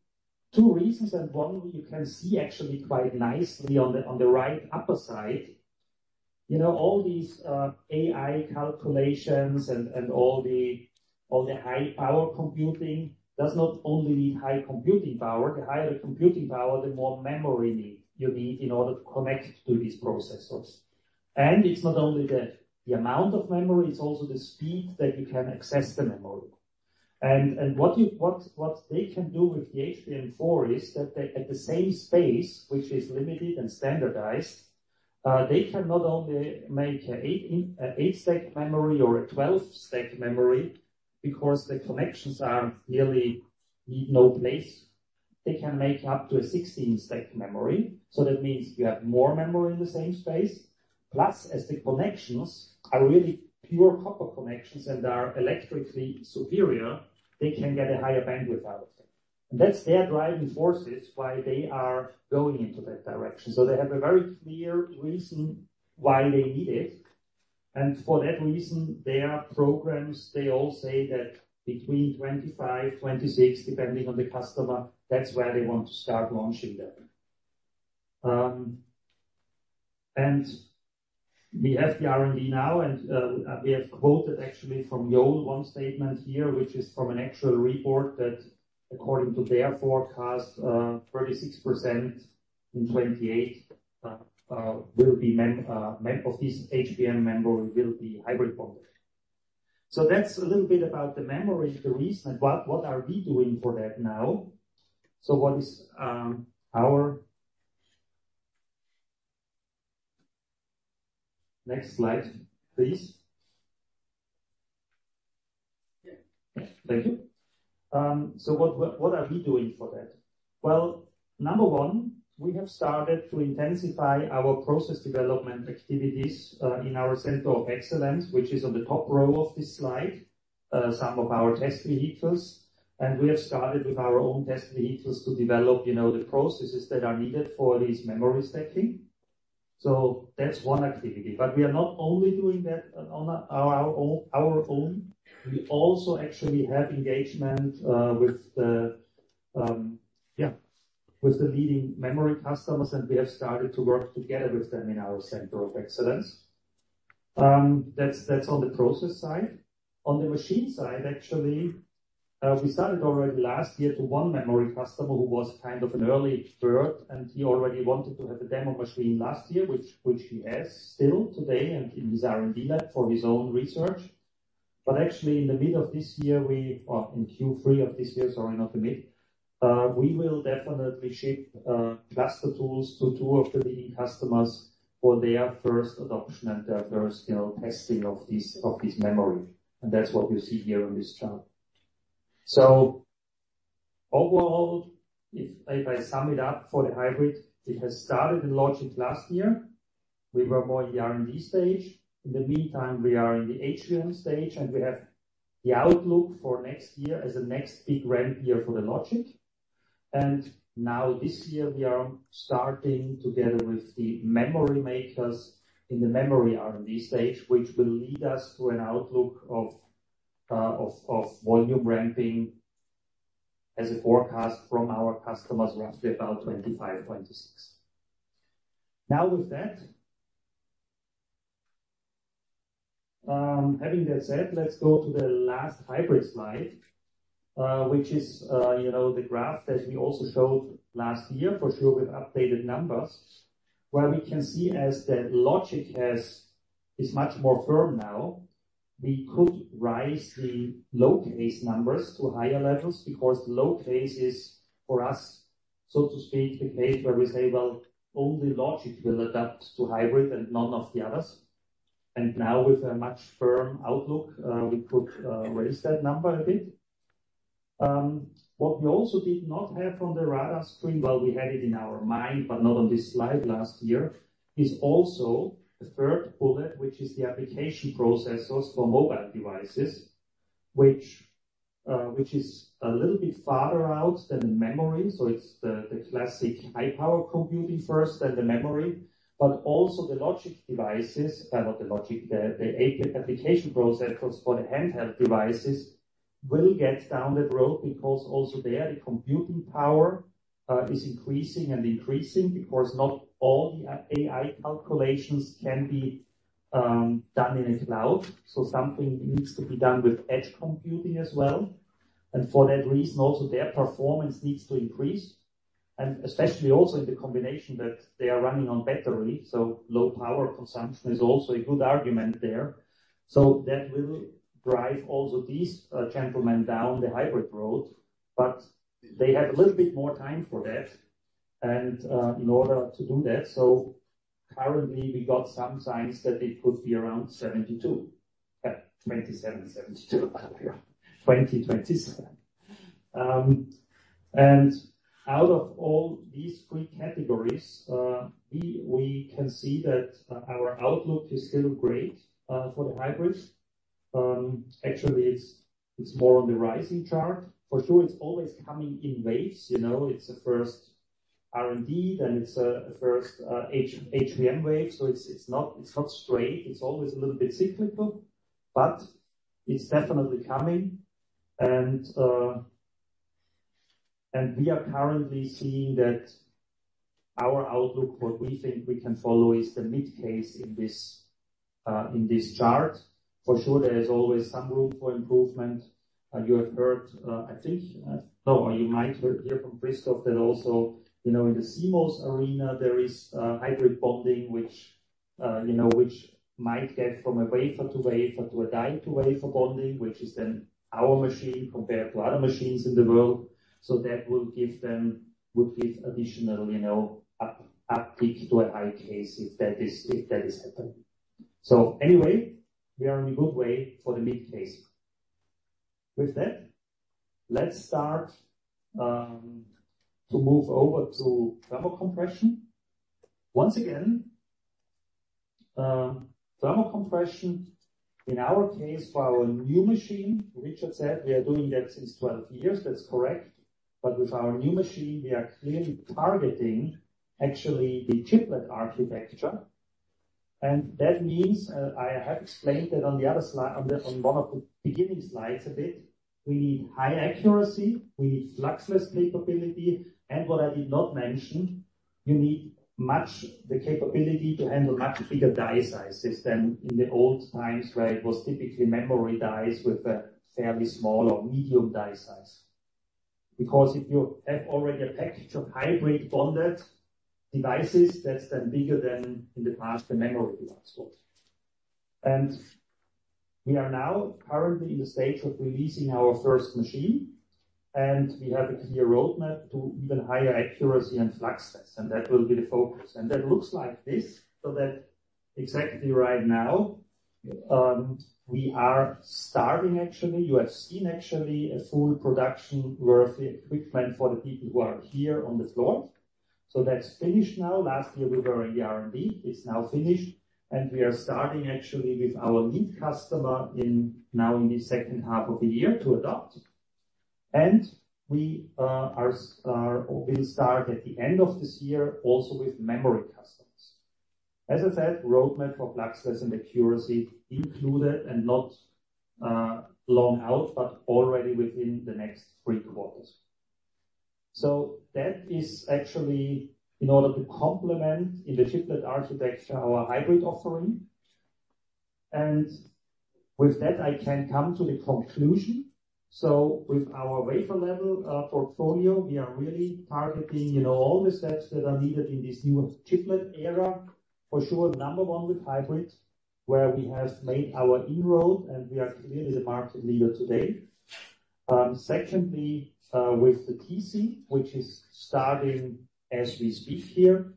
2 reasons, and one you can see actually quite nicely on the right upper side. You know, all these AI calculations and all the high power computing does not only need high computing power. The higher the computing power, the more memory need you need in order to connect to these processors. It's not only the amount of memory, it's also the speed that you can access the memory. What they can do with the HBM4 is that they, at the same space, which is limited and standardized, they can not only make a 8-stack memory or a 12-stack memory, because the connections really need no place. They can make up to a 16-stack memory, so that means you have more memory in the same space. Plus, as the connections are really pure copper connections and are electrically superior, they can get a higher bandwidth out of it. That's their driving forces, why they are going into that direction. They have a very clear reason why they need it, and for that reason, their programs, they all say that between 2025, 2026, depending on the customer, that's where they want to start launching them. We have the R&D now. We have quoted actually from the old one statement here, which is from an actual report, that according to their forecast, 36% in 2028 will be memory of this HBM memory will be hybrid bonded. That's a little bit about the memory, the reason. What are we doing for that now? Next slide, please. Thank you. What are we doing for that? Well, number 1, we have started to intensify our process development activities in our center of excellence, which is on the top row of this slide, some of our test vehicles. We have started with our own test vehicles to develop, you know, the processes that are needed for this memory stacking. That's one activity. We are not only doing that on our own. We also actually have engagement with the leading memory customers, and we have started to work together with them in our center of excellence. That's on the process side. On the machine side, actually, we started already last year to 1 memory customer who was kind of an early bird, and he already wanted to have a demo machine last year, which he has still today and in his R&D lab for his own research. Actually, in Q3 of this year, we will definitely ship cluster tools to 2 of the leading customers for their first adoption and their first, you know, testing of this memory. That's what you see here on this chart. Overall, if I sum it up for the hybrid, it has started in logic last year. We were more in the R&D stage. In the meantime, we are in the HVM stage, and we have the outlook for next year as the next big ramp year for the logic. Now this year, we are starting together with the memory makers in the memory R&D stage, which will lead us to an outlook of volume ramping as a forecast from our customers roughly about 25, 26. With that, having that said, let's go to the last hybrid slide, which is, you know, the graph that we also showed last year, for sure, with updated numbers. Where we can see as the logic is much more firm now, we could rise the low case numbers to higher levels because low case is, for us, so to speak, the case where we say, "Well, only logic will adapt to hybrid and none of the others." Now, with a much firm outlook, we could raise that number a bit. What we also did not have on the radar screen, well, we had it in our mind, but not on this slide last year, is also a third bullet, which is the application processors for mobile devices, which is a little bit farther out than the memory. It's the classic high power computing first, then the memory, but also the logic devices, not the logic, the application processors for the handheld devices will get down the road because also there, the computing power is increasing and increasing, because not all the AI calculations can be done in a cloud. Something needs to be done with edge computing as well. For that reason, also, their performance needs to increase, and especially also in the combination that they are running on battery. Low power consumption is also a good argument there. That will drive also these gentlemen down the hybrid road, but they have a little bit more time for that. In order to do that, currently, we got some signs that it could be around 72, 2072, 2027. Out of all these three categories, we can see that our outlook is still great for the hybrids. Actually, it's more on the rising chart. For sure, it's always coming in waves. You know, it's the first R&D, then it's the first HVM wave. It's not straight. It's always a little bit cyclical, but it's definitely coming. We are currently seeing that our outlook, what we think we can follow, is the mid case in this chart. For sure, there is always some room for improvement. You have heard, I think, no, you might hear from Christoph that also, you know, in the CMOS arena, there is hybrid bonding, which, you know, which might get from a wafer to wafer to a die-to-wafer bonding, which is then our machine compared to other machines in the world. That will give them, would give additional, you know, uptick to a high case, if that is, if that is happening. Anyway, we are in a good way for the mid case. With that, let's start to move over to thermal compression. Once again, thermal compression, in our case, for our new machine, Richard said we are doing that since 12 years. That's correct. With our new machine, we are clearly targeting actually the chiplet architecture. That means, I have explained that on the other slide, on the, on one of the beginning slides a bit. We need high accuracy, we need fluxless capability, and what I did not mention, we need much the capability to handle much bigger die sizes than in the old times, where it was typically memory dies with a fairly small or medium die size. Because if you have already a package of hybrid bonded devices, that's then bigger than in the past, the memory device was. We are now currently in the stage of releasing our first machine, and we have a clear roadmap to even higher accuracy and fluxless, and that will be the focus. That looks like this. That exactly right now, we are starting, actually, you have seen actually a full production-worthy equipment for the people who are here on the floor. That's finished now. Last year, we were in the R&D. It's now finished, and we are starting actually with our lead customer in now in the second half of the year to adopt. We will start at the end of this year, also with memory customers. As I said, roadmap for fluxless and accuracy included and not long out, but already within the next 3 quarters. That is actually in order to complement in the chiplet architecture, our hybrid offering. With that, I can come to the conclusion. With our wafer level portfolio, we are really targeting, you know, all the steps that are needed in this new chiplet era. For sure, number 1, with hybrids, where we have made our inroad, and we are clearly the market leader today. Secondly, with the TC, which is starting as we speak here.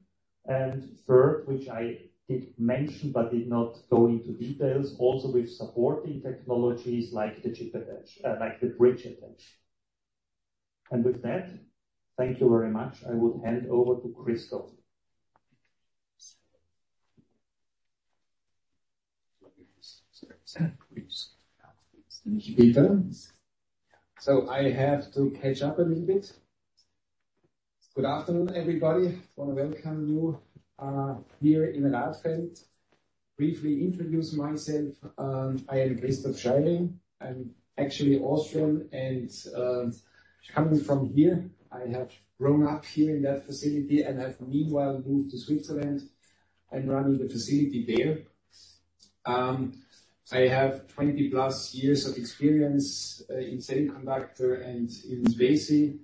Third, which I did mention, but did not go into details, also with supporting technologies like the chip attach, like the bridge attach. Thank you very much. I would hand over to Christoph. Good afternoon, everybody. I want to welcome you here in Radfeld. Briefly introduce myself, I am Christoph Scheiring. I'm actually Austrian and coming from here. I have grown up here in that facility and have meanwhile moved to Switzerland and running the facility there. I have 20+ years of experience in semiconductor and in Besi.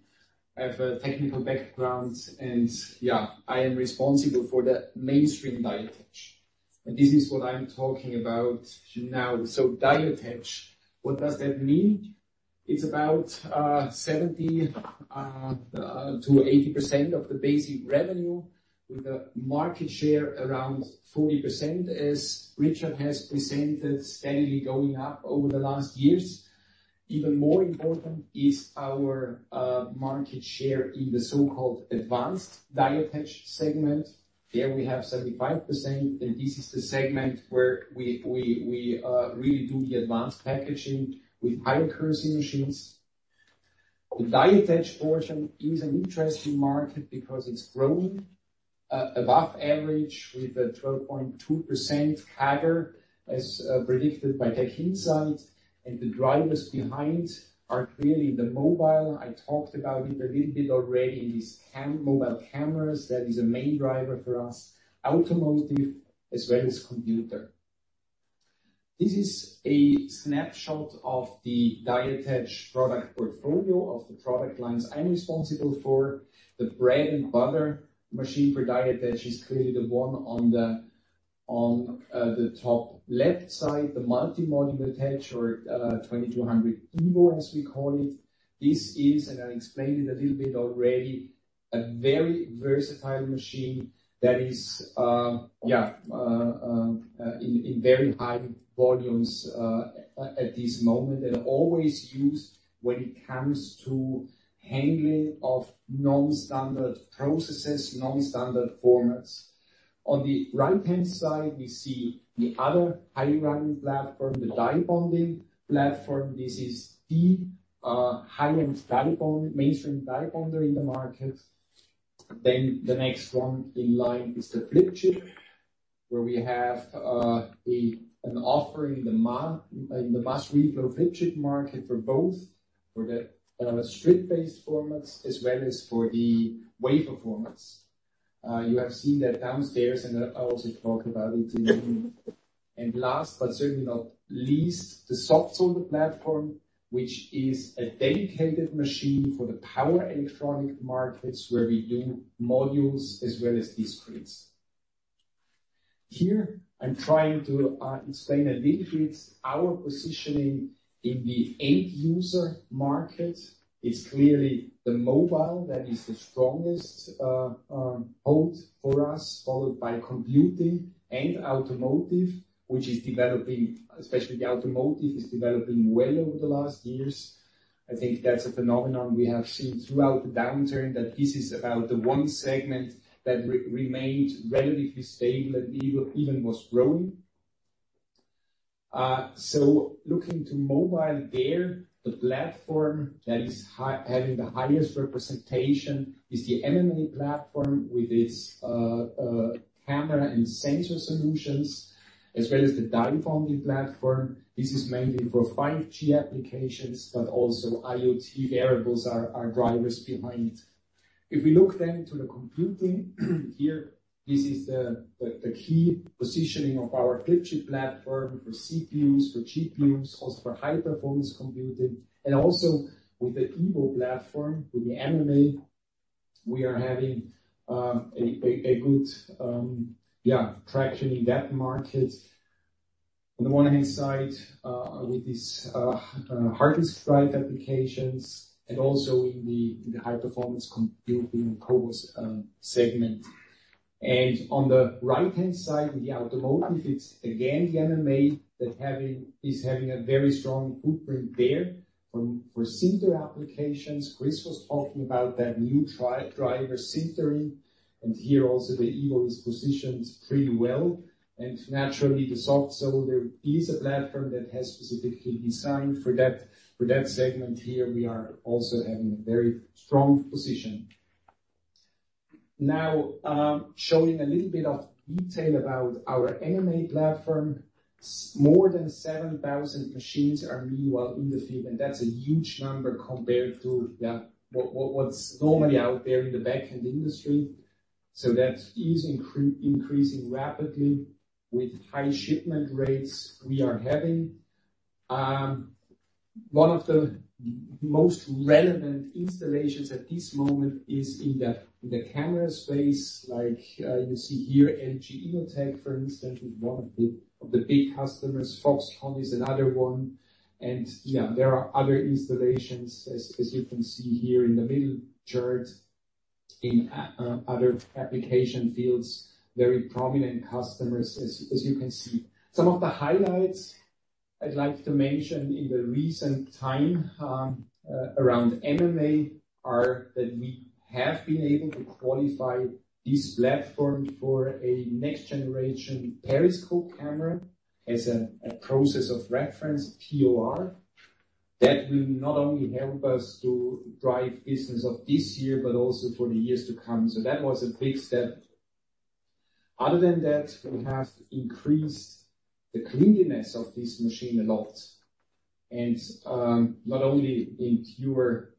I have a technical background and, yeah, I am responsible for the mainstream die attach, and this is what I'm talking about now. Die attach, what does that mean? It's about 70%-80% of the Besi revenue, with a market share around 40%, as Richard has presented, steadily going up over the last years. Even more important is our market share in the so-called advanced die attach segment. There we have 75%, and this is the segment where we really do the advanced packaging with high accuracy machines. The die attach portion is an interesting market because it's growing above average, with a 12.2% CAGR, as predicted by TechInsights, and the drivers behind are clearly the mobile. I talked about it a little bit already in these mobile cameras. That is a main driver for us, automotive, as well as computer. This is a snapshot of the die attach product portfolio of the product lines I'm responsible for. The bread and butter machine for die attach is clearly the one on the top left side, the Multi-Module Attach or 2200 evo, as we call it. This is, I explained it a little bit already, a very versatile machine that is in very high volumes at this moment, always used when it comes to handling of non-standard processes, non-standard formats. On the right-hand side, we see the other high running platform, the die bonding platform. This is the high-end die bond, mainstream die bonder in the market. The next one in line is the flip chip, where we have an offering in the mass reflow flip chip market for both, for the strip-based formats as well as for the wafer formats. You have seen that downstairs, and I'll also talk about it in a minute. Last, but certainly not least, the soft solder platform, which is a dedicated machine for the power electronic markets, where we do modules as well as discretes. Here I'm trying to explain a little bit our positioning in the end user market. It's clearly the mobile that is the strongest hold for us, followed by computing and automotive, which is developing. Especially the automotive is developing well over the last years. I think that's a phenomenon we have seen throughout the downturn, that this is about the one segment that remained relatively stable and even was growing. Looking to mobile there, the platform that is having the highest representation is the MMA platform, with its camera and sensor solutions, as well as the die bonding platform. This is mainly for 5G applications, but also IoT variables are drivers behind. If we look then to the computing, here, this is the key positioning of our flip chip platform for CPUs, for GPUs, also for high-performance computing, and also with the evo platform. With the MMA, we are having a good traction in that market. On the one hand side, with these hard disk drive applications and also in the high-performance computing CoWoS segment. On the right-hand side, in the automotive, it's again, the MMA is having a very strong footprint there for sinter applications. Chris was talking about that new driver, sintering, and here also, the evo is positioned pretty well. Naturally, the soft solder is a platform that has specifically designed for that segment. Here we are also having a very strong position. Now, showing a little bit of detail about our MMA platform. More than 7,000 machines are meanwhile in the field, and that's a huge number compared to, yeah, what's normally out there in the back-end industry. That is increasing rapidly with high shipment rates we are having. One of the most relevant installations at this moment is in the camera space, like you see here, LG Innotek, for instance, is one of the big customers. Foxconn is another one. Yeah, there are other installations, as you can see here in the middle chart, in other application fields, very prominent customers, as you can see. Some of the highlights... I'd like to mention in the recent time, around MMA, are that we have been able to qualify this platform for a next generation periscope camera as a process of reference, POR. That will not only help us to drive business of this year, but also for the years to come. That was a big step. Other than that, we have increased the cleanliness of this machine a lot, and not only in pure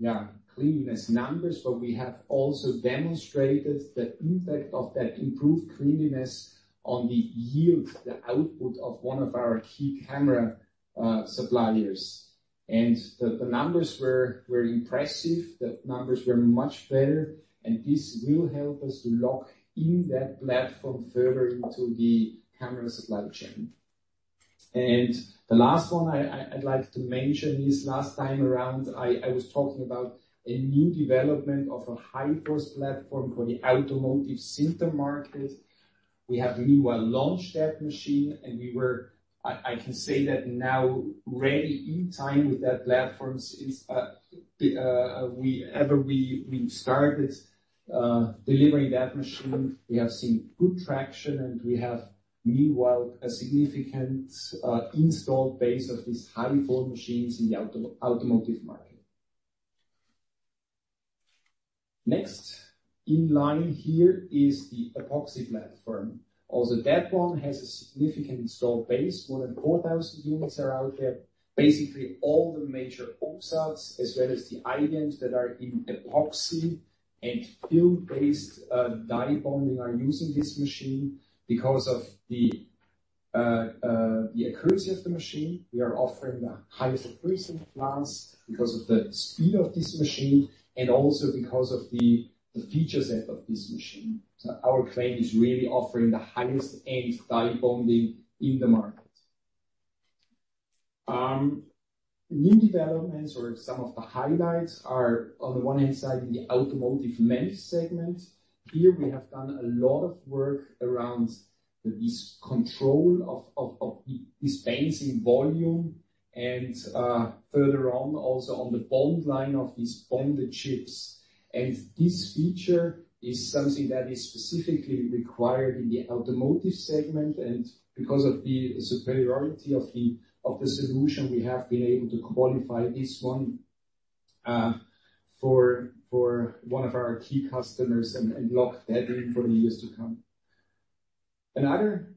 cleanliness numbers, but we have also demonstrated the impact of that improved cleanliness on the yield, the output of one of our key camera suppliers. The numbers were impressive. The numbers were much better, and this will help us to lock in that platform further into the camera supply chain. The last one I'd like to mention is, last time around, I was talking about a new development of a high force platform for the automotive sinter market. We have meanwhile launched that machine, and I can say that now, ready in time with that platform, since we started delivering that machine, we have seen good traction, and we have meanwhile, a significant installed base of these high force machines in the automotive market. Next in line here is the Epoxy platform. Also, that one has a significant installed base. More than 4,000 units are out there. Basically, all the major OSATs, as well as the IDMs that are in Epoxy and film-based die bonding, are using this machine because of the accuracy of the machine. We are offering the highest accuracy class because of the speed of this machine and also because of the feature set of this machine. Our claim is really offering the highest end die bonding in the market. New developments or some of the highlights are, on the one hand side, in the automotive mesh segment. Here, we have done a lot of work around this control of the spacing volume and, further on, also on the bond line of these bonded chips. This feature is something that is specifically required in the automotive segment, and because of the superiority of the solution, we have been able to qualify this one for one of our key customers and lock that in for the years to come. Another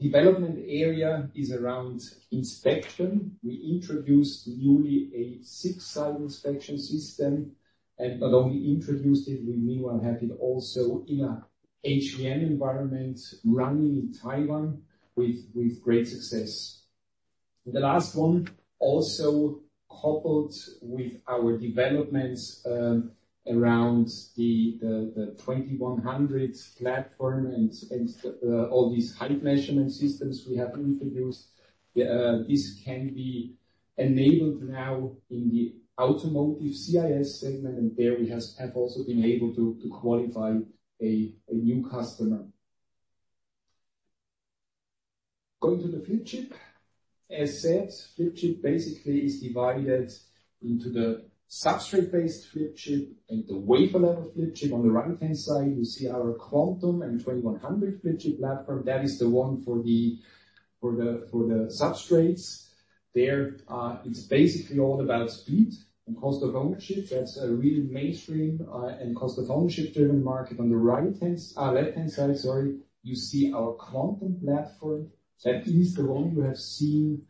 development area is around inspection. We introduced newly a six-side inspection system, and not only introduced it, we meanwhile have it also in a HVM environment, running in Taiwan with great success. The last one, also coupled with our developments, around the 2100 platform and all these height measurement systems we have introduced. This can be enabled now in the automotive CIS segment, and there we have also been able to qualify a new customer. Going to the flip chip. As said, flip chip basically is divided into the substrate-based flip chip and the wafer level flip chip. On the right-hand side, you see our QUANTUM and 2100 flip chip platform. That is the one for the substrates. There, it's basically all about speed and cost of ownership. That's a really mainstream and cost of ownership-driven market. On the right-hand side... left-hand side, sorry, you see our QUANTUM platform. That is the one you have seen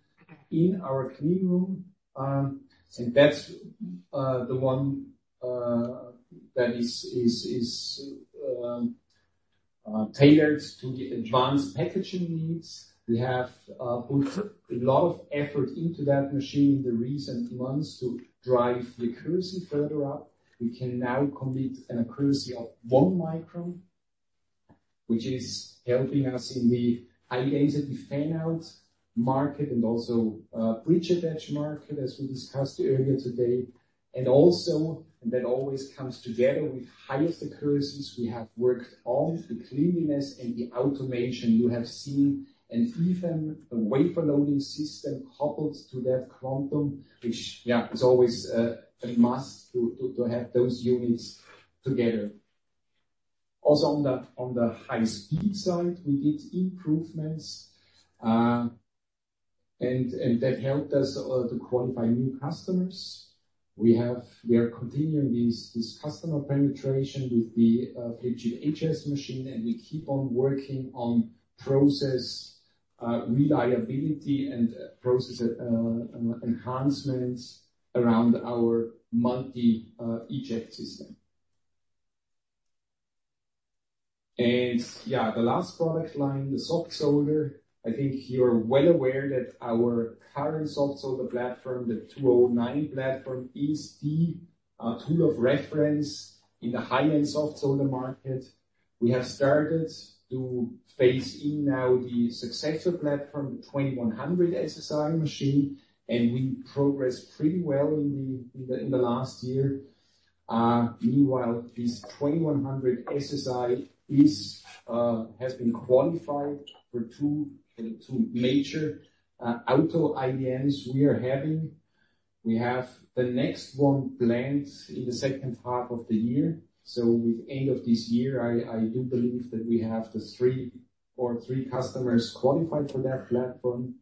in our clean room. That's the one that is tailored to the advanced packaging needs. We have put a lot of effort into that machine in the recent months to drive the accuracy further up. We can now complete an accuracy of 1 micron, which is helping us in the high-density fan-out market and also bridge attach market, as we discussed earlier today. That always comes together with highest accuracies, we have worked on the cleanliness and the automation you have seen, and even a wafer loading system coupled to that QUANTUM, which, yeah, is always a must to have those units together. On the high speed side, we did improvements, and that helped us to qualify new customers. We are continuing this customer penetration with the flip chip HS machine, and we keep on working on process reliability and process enhancements around our multi eject system. The last product line, the soft solder. I think you're well aware that our current soft solder platform, the 2009 platform, is the tool of reference in the high-end soft solder market. We have started to phase in now the successor platform, the 2100 SSR machine, and we progressed pretty well in the last year. Meanwhile, this 2100 SSI is has been qualified for 2 major auto IDMs we are having. We have the next one planned in the second half of the year. With end of this year, I do believe that we have the 3 or 3 customers qualified for that platform.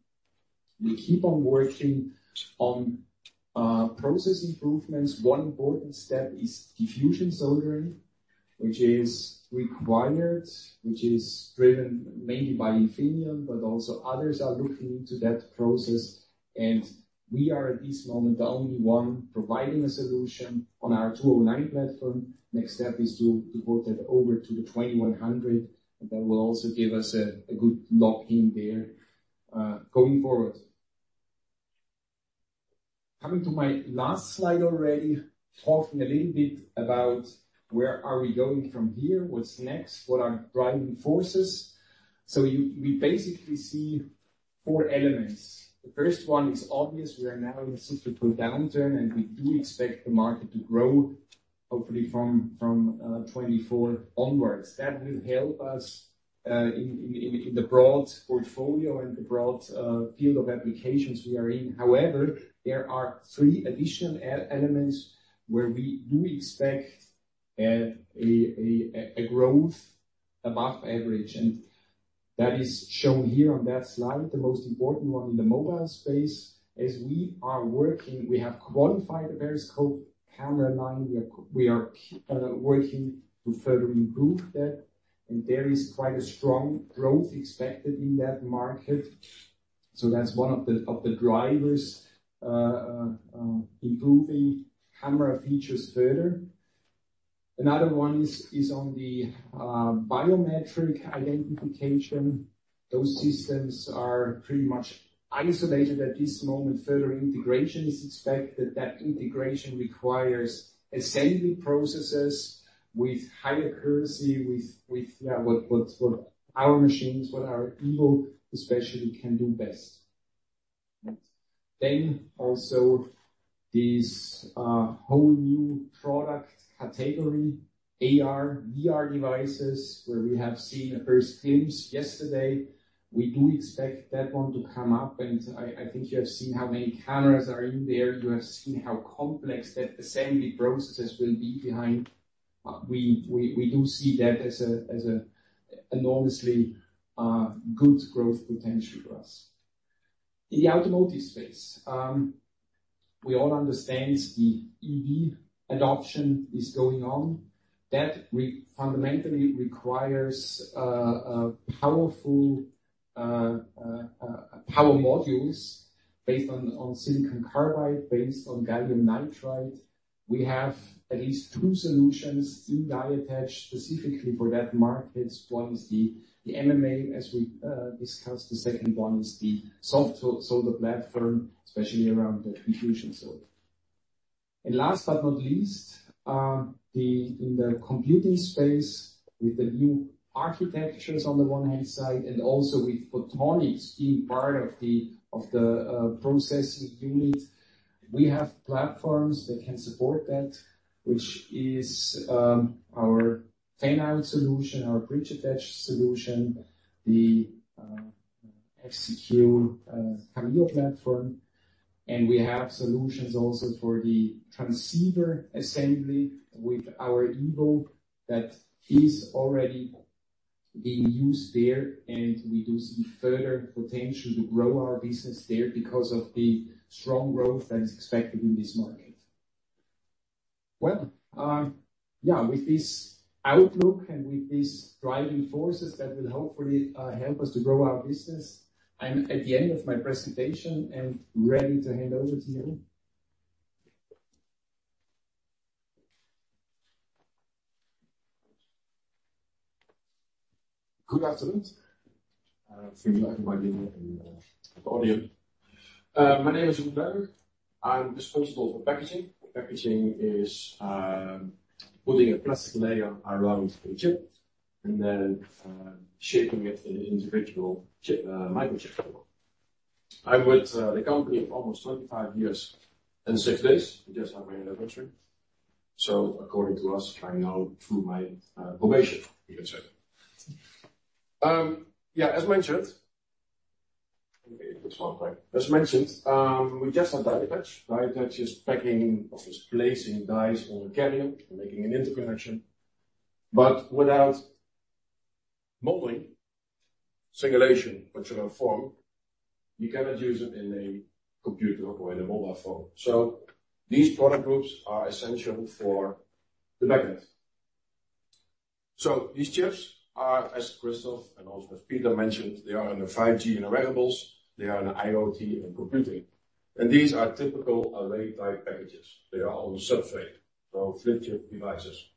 We keep on working on process improvements. One important step is diffusion soldering, which is required, which is driven mainly by Infineon, but also others are looking into that process. We are, at this moment, the only one providing a solution on our Esec 2009 platform. Next step is to port that over to the Esec 2100, that will also give us a good lock-in there going forward. Coming to my last slide already, talking a little bit about where are we going from here? What's next? What are driving forces? We basically see four elements. The first one is obvious. We are now in a cyclical downturn. We do expect the market to grow, hopefully, from 2024 onwards. That will help us in the broad portfolio and the broad field of applications we are in. However, there are 3 additional e-elements where we do expect a growth above average. That is shown here on that slide. The most important one in the mobile space, as we are working, we have qualified a periscope camera line. We are working to further improve that. There is quite a strong growth expected in that market. That's one of the drivers improving camera features further. Another one is on the biometric identification. Those systems are pretty much isolated at this moment. Further integration is expected. That integration requires assembly processes with higher accuracy, with, yeah, what our machines, what our evo especially can do best. Also this whole new product category, AR/VR devices, where we have seen a first glimpse yesterday. We do expect that 1 to come up, and I think you have seen how many cameras are in there. You have seen how complex that assembly processes will be behind. We do see that as an enormously good growth potential for us. In the automotive space, we all understand the EV adoption is going on. That fundamentally requires a powerful power modules based on silicon carbide, based on gallium nitride. We have at least 2 solutions, 2 die attach specifically for that market. One is the MMA, as we discussed. The second one is the soft solder platform, especially around the diffusion solder. Last but not least, in the computing space, with the new architectures on the one hand side, and also with photonics being part of the processing unit, we have platforms that can support that, which is our fan-out solution, our bridge-attached solution, the XQ carrier platform. We have solutions also for the transceiver assembly with our Evo that is already being used there, and we do see further potential to grow our business there because of the strong growth that is expected in this market. Well, with this outlook and with these driving forces, that will hopefully help us to grow our business. I'm at the end of my presentation and ready to hand over to you. Good afternoon, for you, my dear audience. My name is Jeroen Kleijburg. I'm responsible for packaging. Packaging is putting a plastic layer around a chip and then shaping it in an individual chip, microchip. I'm with the company of almost 25 years and 6 days, just like my anniversary. According to us, I now through my probation, you can say. Yeah, as mentioned, it was 1 point. As mentioned, we just had die attach. Die attach is packing of this, placing dies on the carrier and making an interconnection. Without modeling, simulation, which are form, you cannot use it in a computer or in a mobile phone. These product groups are essential for the backend. These chips are, as Christoph and also as Peter mentioned, they are in the 5G and variables, they are in IoT and computing, and these are typical array type packages. They are on the substrate, so flip chip devices.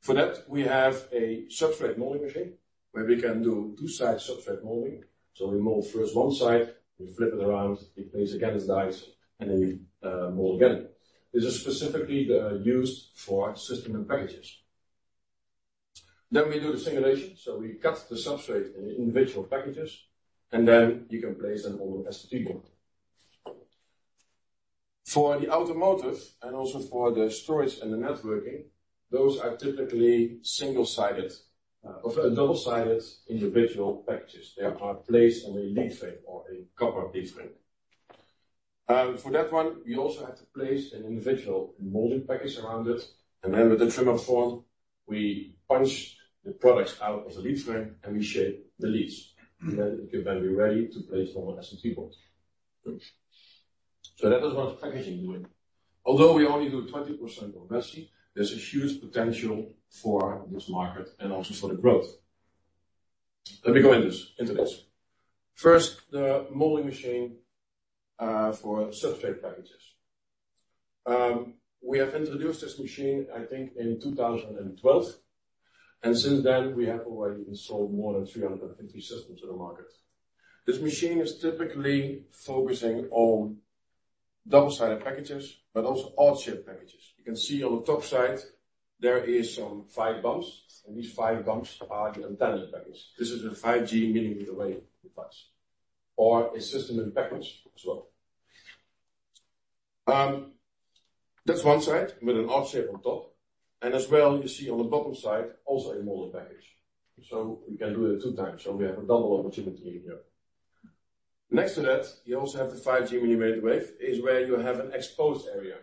For that, we have a substrate modeling machine, where we can do 2 sides substrate modeling. We mold first 1 side, we flip it around, we place again as dies, and we mold again. This is specifically used for system and packages. We do the simulation, so we cut the substrate in individual packages, and then you can place them on the STP board. For the automotive and also for the storage and the networking, those are typically single-sided or double-sided individual packages. They are placed on a lead frame or a copper lead frame. For that one, we also have to place an individual molding package around it, and then with the trimmer form, we punch the products out of the lead frame, and we shape the leads. It can then be ready to place on the STP board. That is what packaging is doing. Although we only do 20% of Besi, there's a huge potential for this market and also for the growth. Let me go into this. First, the molding machine for substrate packages. We have introduced this machine, I think, in 2012, and since then, we have already installed more than 350 systems in the market. This machine is typically focusing on double-sided packages, but also odd-shaped packages. You can see on the top side, there is some five bumps, and these five bumps are the antenna packages. This is a 5G millimeter wave device or a System in Package as well. That's one side with an odd shape on top, and as well, you see on the bottom side, also a molded package. We can do it two times, so we have a double opportunity here. Next to that, you also have the 5G millimeter wave, is where you have an exposed area.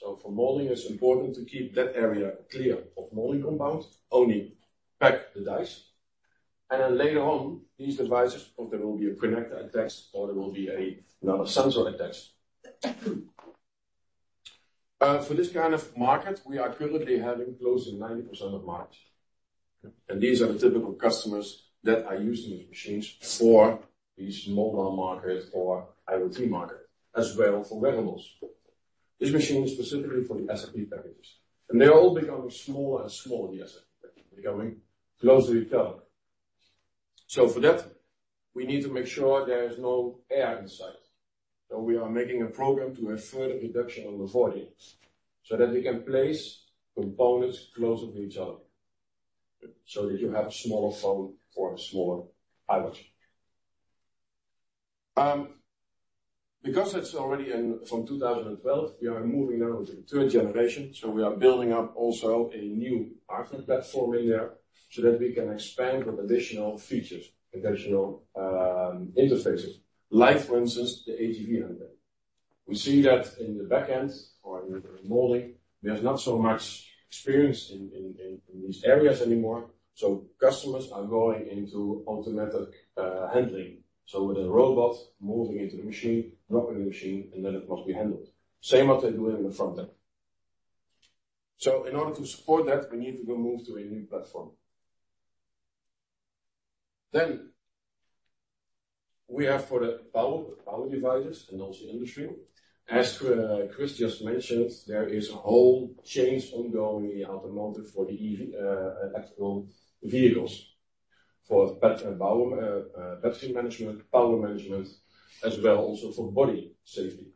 For molding, it's important to keep that area clear of molding compound, only pack the dies. Later on, these devices, or there will be a connector attached, or there will be a sensor attached. For this kind of market, we are currently having close to 90% of market, and these are the typical customers that are using these machines for these mobile market or IoT market, as well for wearables. This machine is specifically for the SAP packages. They're all becoming smaller and smaller, the SAP, becoming closer to each other. For that, we need to make sure there is no air inside. We are making a program to have further reduction on the voiding, that we can place components closer to each other. That you have a smaller phone or a smaller IoT. Because it's already From 2012, we are moving now to a third generation. We are building up also a new architecture platform in there, that we can expand with additional features, additional interfaces, like, for instance, the AGV handling. We see that in the back end or in the molding, there's not so much experience in these areas anymore, customers are going into automatic handling. With a robot moving into the machine, drop in the machine, and then it must be handled. Same as they do it in the front end. In order to support that, we need to go move to a new platform. We have for the power devices and also industrial. As Chris just mentioned, there is a whole change ongoing in the automotive for the EV, electrical vehicles, for battery and power, battery management, power management, as well also for body safety.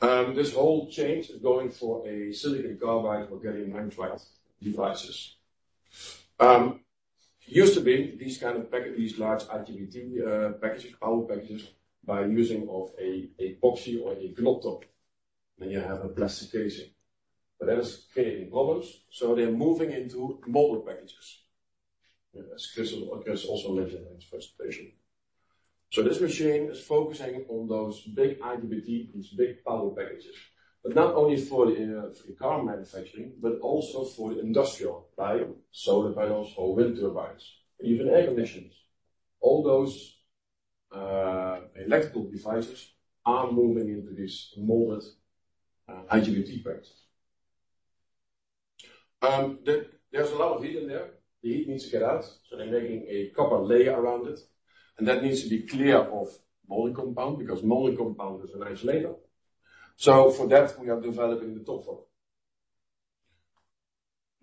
This whole change is going for a silicon carbide or gallium nitride devices. Used to be these kind of package, these large IGBT packages, power packages, by using of an epoxy or a glob top, then you have a plastic casing, but that is creating problems. They're moving into molded packages, as Chris also mentioned in his presentation. This machine is focusing on those big IGBT, these big power packages, but not only for the car manufacturing, but also for the industrial, like solar panels or wind turbines, and even air conditions. All those electrical devices are moving into this molded IGBT packs. There's a lot of heat in there. The heat needs to get out. They're making a copper layer around it, and that needs to be clear of molding compound, because molding compound is an insulator. For that, we are developing the top floor.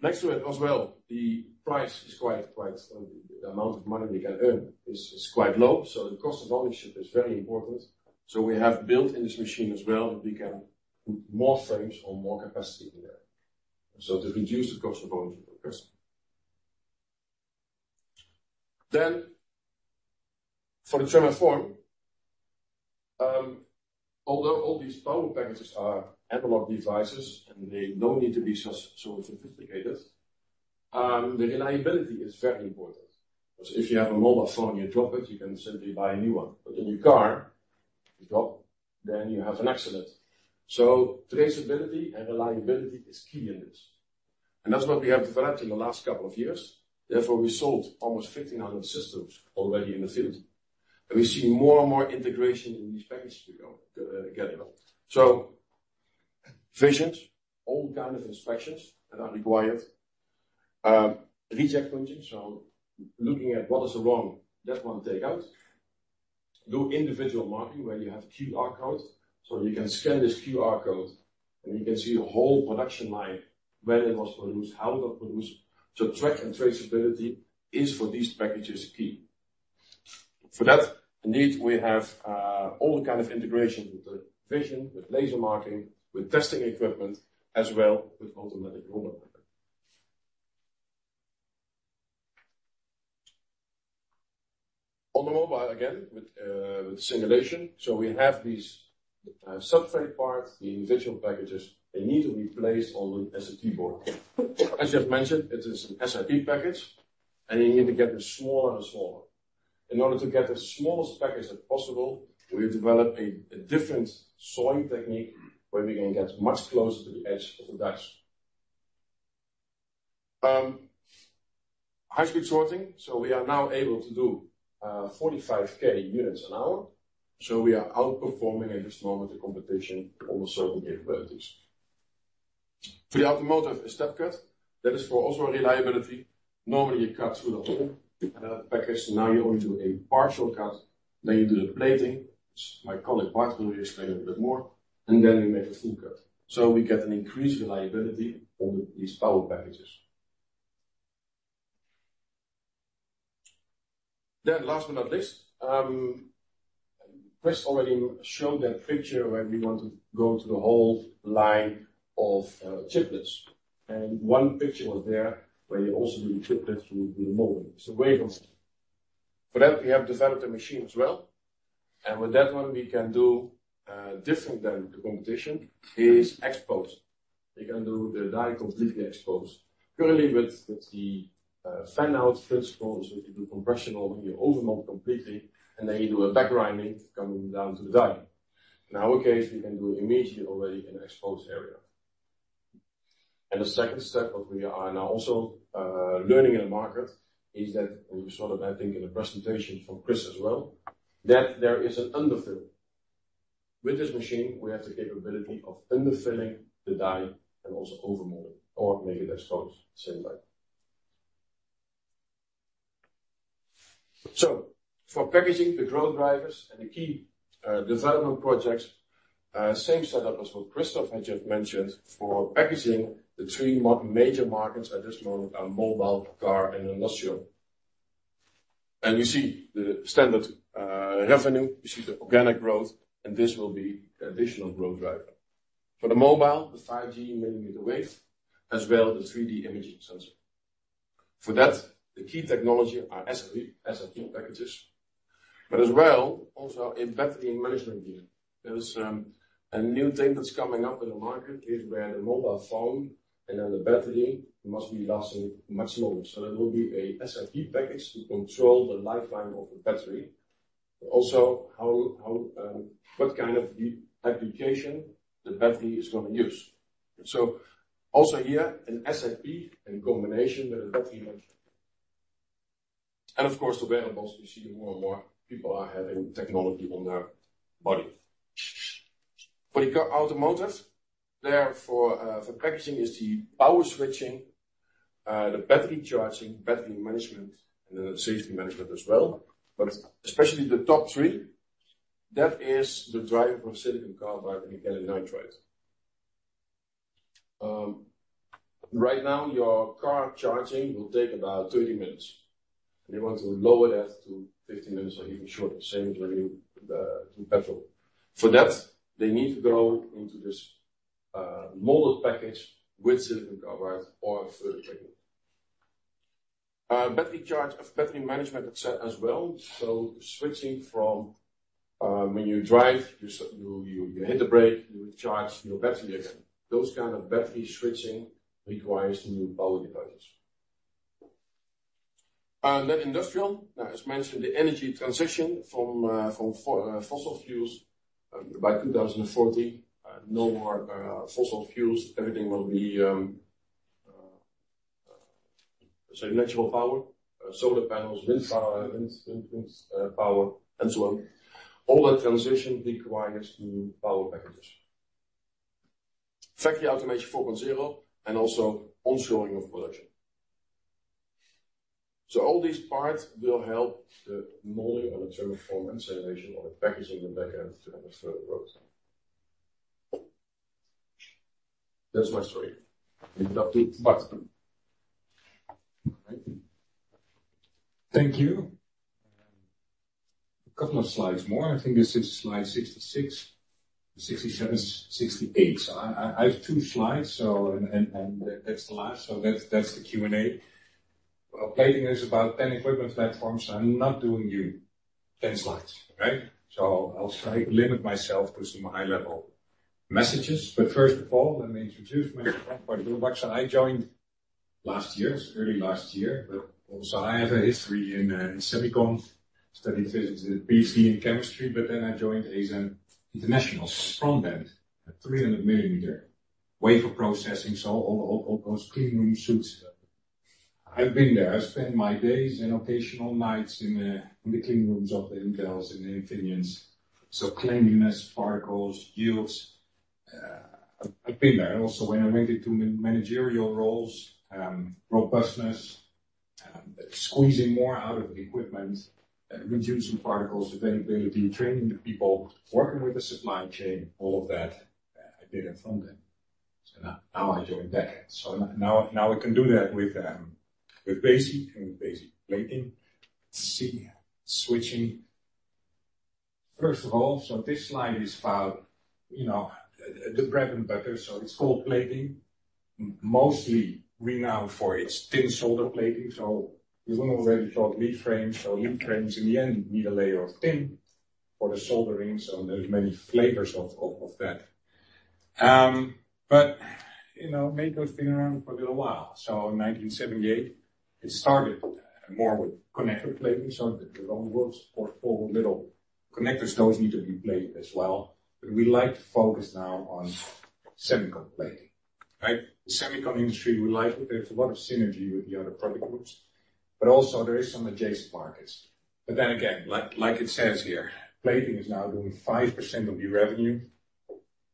Next to it as well, the price is quite. The amount of money we can earn is quite low, the cost of ownership is very important. We have built in this machine as well, that we can put more frames on more capacity in there to reduce the cost of ownership of course. For the terminal form, although all these power packages are analog devices, and they don't need to be so sophisticated, the reliability is very important. If you have a mobile phone, you drop it, you can simply buy a new one, but in your car, you drop, then you have an accident. Traceability and reliability is key in this, and that's what we have developed in the last couple of years. We sold almost 1,500 systems already in the field, we're seeing more and more integration in these packages we got, getting. Vision, all kind of inspections that are required, reject function, so looking at what is wrong, that one take out. Do individual marking, where you have QR code. You can scan this QR code, you can see a whole production line, when it was produced, how it was produced. Track and traceability is, for these packages, key. For that, indeed, we have, all kind of integration with the vision, with laser marking, with testing equipment, as well with automatic roller. On the mobile, again, with simulation. We have these, substrate parts, the individual packages, they need to be placed on the SiP board. As you have mentioned, it is an SiP package, and you need to get it smaller and smaller. In order to get the smallest package as possible, we developed a different sawing technique, where we can get much closer to the edge of the dice. High-speed sorting. We are now able to do 45k units an hour, so we are outperforming at this moment, the competition on the certain capabilities. For the automotive, a step cut, that is for also reliability. Normally, you cut through the whole package. Now you only do a partial cut. You do the plating. My colleague, Bart, will explain a bit more. We make a full cut. We get an increased reliability on these power packages. Last but not least, Chris already showed that picture where we want to go to the whole line of chiplets. One picture was there, where you also do the chiplet through the molding. For that, we have developed a machine as well, and with that one, we can do different than the competition, is exposed. They can do the die completely exposed. Currently, with the fan-out principles, if you do compression molding, you overmold completely, and then you do a back grinding coming down to the die. In our case, we can do immediately already an exposed area. The second step, what we are now also learning in the market, is that we saw that, I think, in the presentation from Chris as well, that there is an underfill. With this machine, we have the capability of underfilling the die and also overmolding or make it exposed same time. For packaging, the growth drivers and the key development projects, same setup as what Christoph had just mentioned. For packaging, the 3 major markets at this moment are mobile, car, and industrial. You see the standard revenue, you see the organic growth, and this will be additional growth driver. For the mobile, the 5G millimeter wave, as well as the 3D imaging sensor. For that, the key technology are SiP packages, but as well, also in battery management unit. There is a new thing that's coming up in the market, is where the mobile phone and then the battery must be lasting much longer. That will be a SiP package to control the lifetime of the battery. What kind of the application the battery is going to use. Also here, an SiP in combination with the battery management. Of course, the wearables, we see more and more people are having technology on their body. For automotive, there for packaging is the power switching, the battery charging, battery management, and then the safety management as well. Especially the top three, that is the driver for silicon carbide and gallium nitride. Right now, your car charging will take about 30 minutes, and you want to lower that to 15 minutes or even shorter, same as when you do petrol. For that, they need to go into this molded package with silicon carbide or third technique. Battery charge of battery management et cetera as well. Switching from, when you drive, you hit the brake, you charge your battery again. Those kind of battery switching requires new power devices. Then industrial. As mentioned, the energy transition from fossil fuels. By 2040, no more fossil fuels. Everything will be, say, natural power, solar panels, wind power, and so on. All that transition requires new power packages. Factory automation 4.0, also onshoring of production. All these parts will help the molding on the term form and simulation on the packaging and back end to have a further growth. That's my story. Now to Bart. Thank you. A couple of slides more. I think this is slide 66, 67, 68. I have 2 slides and that's the last. That's the Q&A. Plating is about 10 equipment platforms. I'm not doing you 10 slides, right? I'll try to limit myself to some high-level messages. First of all, let me introduce myself. I joined last year, early last year, but also I have a history in semiconductor, studied physics, a PhD in chemistry, but then I joined ASML International, front end, at 300 millimeter wafer processing. All those cleanroom suits, I've been there. I spent my days and occasional nights in the clean rooms of the Intel and the Infineons. Cleanliness, particles, yields, I've been there. When I went into managerial roles, robustness, squeezing more out of the equipment, reducing particles, availability, training the people, working with the supply chain, all of that, I did it from them. Now I join that end. Now we can do that with Besi and Besi Plating. Let's see, switching. First of all, this slide is about, you know, the bread and butter, it's called plating. Mostly renowned for its thin solder plating, you've already thought lead frames. Lead frames, in the end, need a layer of tin for the soldering, there's many flavors of that. You know, Meco has been around for a little while. In 1978, it started more with connector plating, the wrong words for little connectors, those need to be plated as well. We like to focus now on semiconductor plating, right? The semiconductor industry, we like. There's a lot of synergy with the other product groups, but also there is some adjacent markets. Then again, like it says here, plating is now doing 5% of the revenue.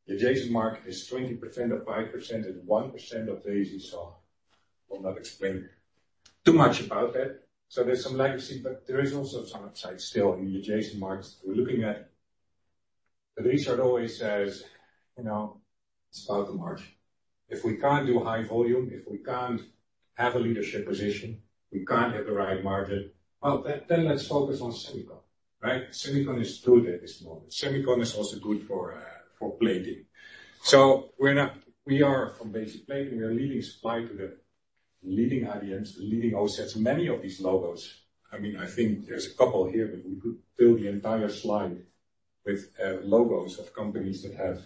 The adjacent market is 20% of 5% and 1% of the AC saw. Will not explain too much about that. There's some legacy, but there is also some upside still in the adjacent markets we're looking at. Richard always says, "You know, it's about the margin." If we can't do high volume, if we can't have a leadership position, we can't have the right margin, well, then let's focus on semiconductor, right? Semiconductor is good at this moment. Semiconductor is also good for plating. We are from Besi Plating. We are leading supplier to the leading IDMs, the leading OSATs, many of these logos. I mean, I think there's a couple here, we could fill the entire slide with logos of companies that have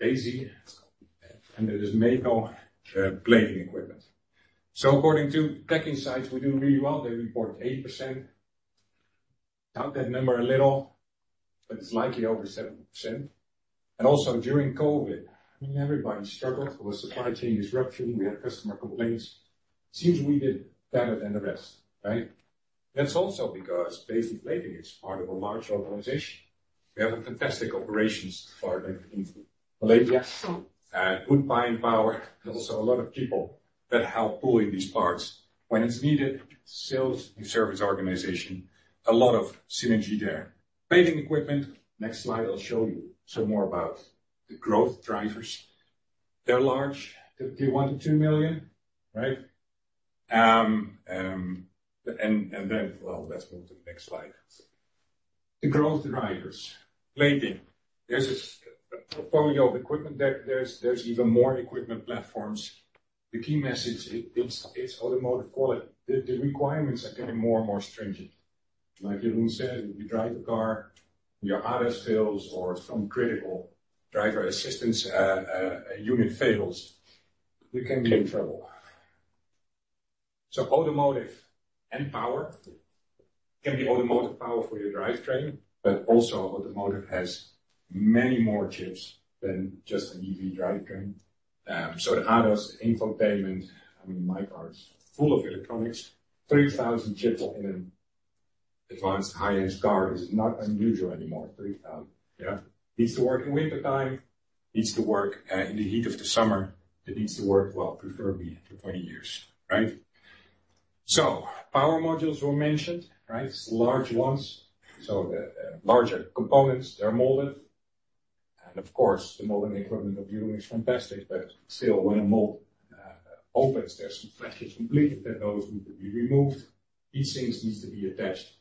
Besi, and there is Meco, plating equipment. According to TechInsights, we do really well. They report 80%. Doubt that number a little, it's likely over 70%. Also, during COVID, I mean, everybody struggled with supply chain disruption. We had customer complaints. It seems we did better than the rest, right? That's also because Besi Plating is part of a large organization. We have a fantastic operations partner in Malaysia, good buying power, and also a lot of people that help pulling these parts when it's needed. Sales and service organization, a lot of synergy there. Plating equipment. Next slide, I'll show you some more about the growth drivers. They're large, the $1 million-$2 million, right? Let's move to the next slide. The growth drivers. Plating. There's a portfolio of equipment there. There's even more equipment platforms. The key message, it's automotive quality. The requirements are getting more and more stringent. Like Jeroen said, if you drive a car, your ADAS fails or some critical driver assistance unit fails, you can be in trouble. Automotive and power can be automotive power for your drivetrain, but also automotive has many more chips than just an EV drivetrain. The ADAS infotainment, I mean, my car is full of electronics. 3,000 chips in an advanced high-end car is not unusual anymore. 3,000, yeah? Needs to work in wintertime, needs to work in the heat of the summer. It needs to work, well, preferably for 20 years, right? Power modules were mentioned, right? Large ones. The larger components, they're molded. Of course, the modeling equipment of viewing is fantastic, but still, when a mold opens, there's some flashes completed, that those need to be removed. These things needs to be attached.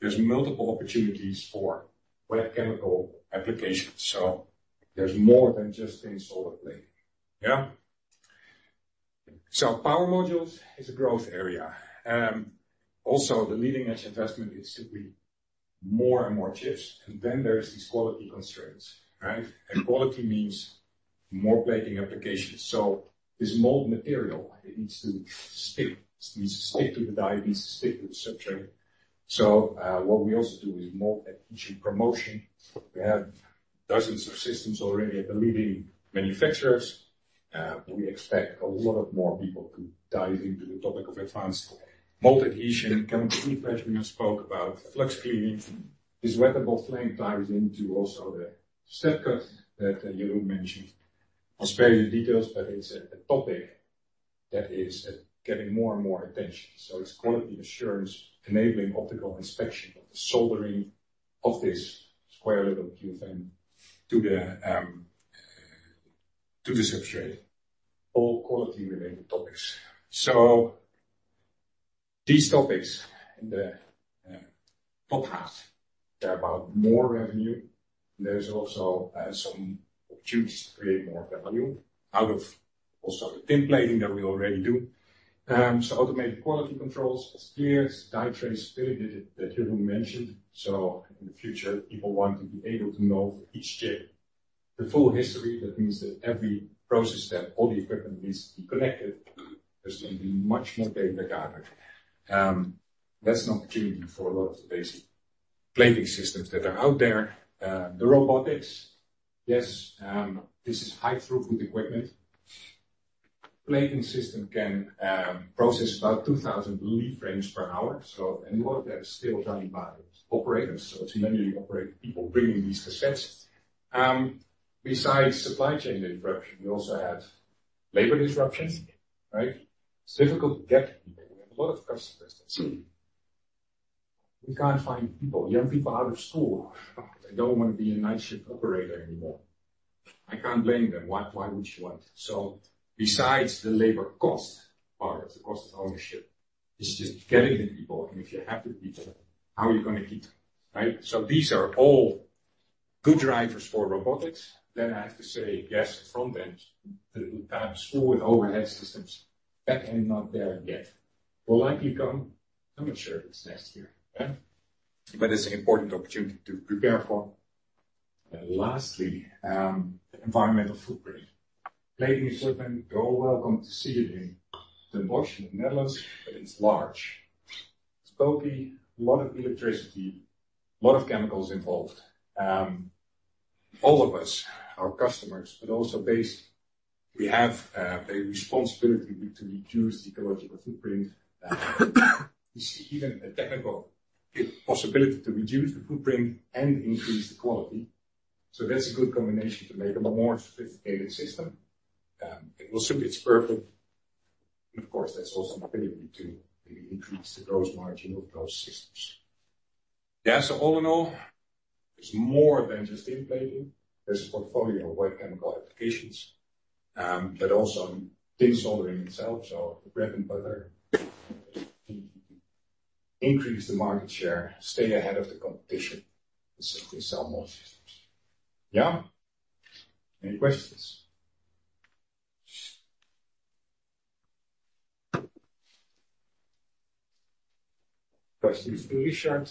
There's multiple opportunities for wet chemical applications, so there's more than just in solder plating. Yeah. Power modules is a growth area. Also, the leading-edge investment is simply more and more chips, then there's these quality constraints, right? Quality means more plating applications. This mold material, it needs to stick, needs to stick to the die, it needs to stick to the substrate. What we also do is mold adhesion promotion. We have dozens of systems already at the leading manufacturers, we expect a lot of more people to dive into the topic of advanced mold adhesion. chemical preplate we just spoke about. flux cleaning, this wettable flank into also the step cut that Jeroen mentioned. I'll spare you the details, but it's a topic that is getting more and more attention. It's quality assurance, enabling optical inspection of the soldering of this square little QFN to the, to the substrate, all quality-related topics. These topics in the top half, they're about more revenue. There's also some opportunities to create more value out of also the templating that we already do. Automated quality controls, spheres, die trace, traceability., that Jeroen mentioned. In the future, people want to be able to know each chip, the full history. That means that every process step, all the equipment needs to be connected. There's going to be much more data gathered. That's an opportunity for a lot of the Besi Plating systems that are out there. The robotics, yes, this is high-throughput equipment. Plating system can process about 2,000 lead frames per hour. Anyone that is still running by operators, so it's manually operate people bringing these cassettes. Besides supply chain interruption, we also have labor disruptions, right? It's difficult to get people. We can't find people. Young people out of school, they don't want to be a night shift operator anymore. I can't blame them. Why, why would you want? Besides the labor cost part, the cost of ownership is just getting the people, and if you have the people, how are you going to keep them, right? These are all good drivers for robotics. I have to say, yes, front end, the school with overhead systems, back end, not there yet. Will likely come. I'm not sure if it's next year, yeah, but it's an important opportunity to prepare for. Lastly, the environmental footprint. Plating equipment, you're all welcome to see it in the Netherlands, but it's large. It's bulky, a lot of electricity, a lot of chemicals involved. All of us, our customers, but also Besi, we have a responsibility to reduce the ecological footprint. We see even a technical possibility to reduce the footprint and increase the quality. That's a good combination to make a more sophisticated system. It will suit its purpose. Of course, there's also an ability to increase the gross margin of those systems. All in all, it's more than just in plating. There's a portfolio of wet chemical applications, but also tin soldering itself, so the bread and butter. Increase the market share, stay ahead of the competition, and simply sell more systems. Yeah. Any questions? Questions for Richard.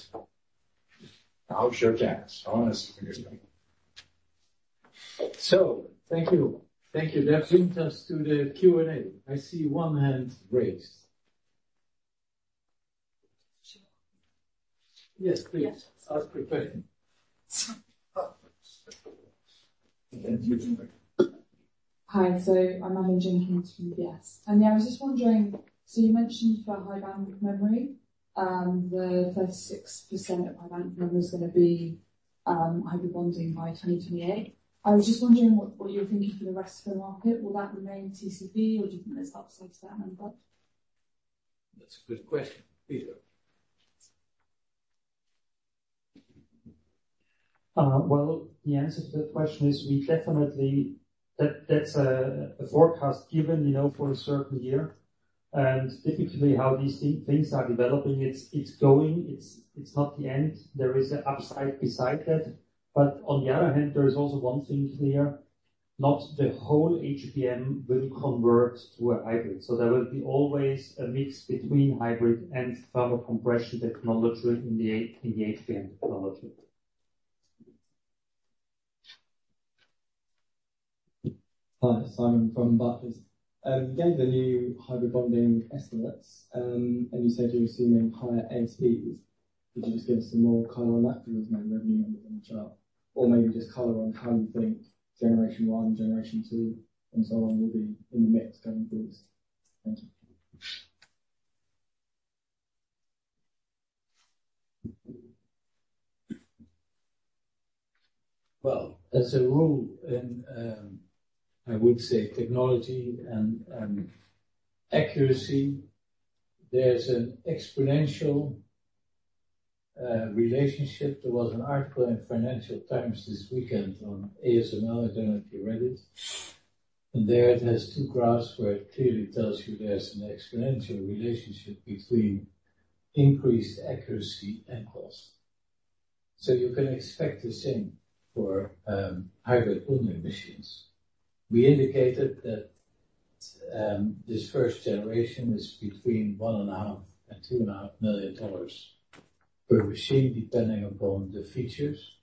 I'm sure, yes, honest. Thank you. Thank you. That brings us to the Q&A. I see one hand raised. Yes, please. I was preparing. Hi, I'm Madeleine Jenkins from UBS. I was just wondering, you mentioned about high-bandwidth memory, the 36% of high-bandwidth memory is going to be hybrid bonding by 2028. I was just wondering what you're thinking for the rest of the market. Will that remain TCB, or do you think there's upside to that number? That's a good question. Peter? Well, the answer to the question is we definitely. That's a forecast given, you know, for a certain year. Typically, how these things are developing, it's going, it's not the end. There is a upside beside that. On the other hand, there is also one thing clear, not the whole HBM will convert to a hybrid. There will be always a mix between hybrid and thermal compression technology in the HBM technology. Hi, Simon Coles from Barclays. You gave the new hybrid bonding estimates, and you said you were seeing higher ASPs. Could you just give some more color on that there was no revenue numbers on the chart, or maybe just color on how you think generation one, generation two, and so on, will be in the mix going forward? Thank you. Well, as a rule, and, I would say technology and accuracy, there's an exponential relationship. There was an article in Financial Times this weekend on ASML. I don't know if you read it. There it has two graphs where it clearly tells you there's an exponential relationship between increased accuracy and cost. So you can expect the same for hybrid bonding machines. We indicated that this first generation is between $1.5 million and $2.5 million per machine, depending upon the features.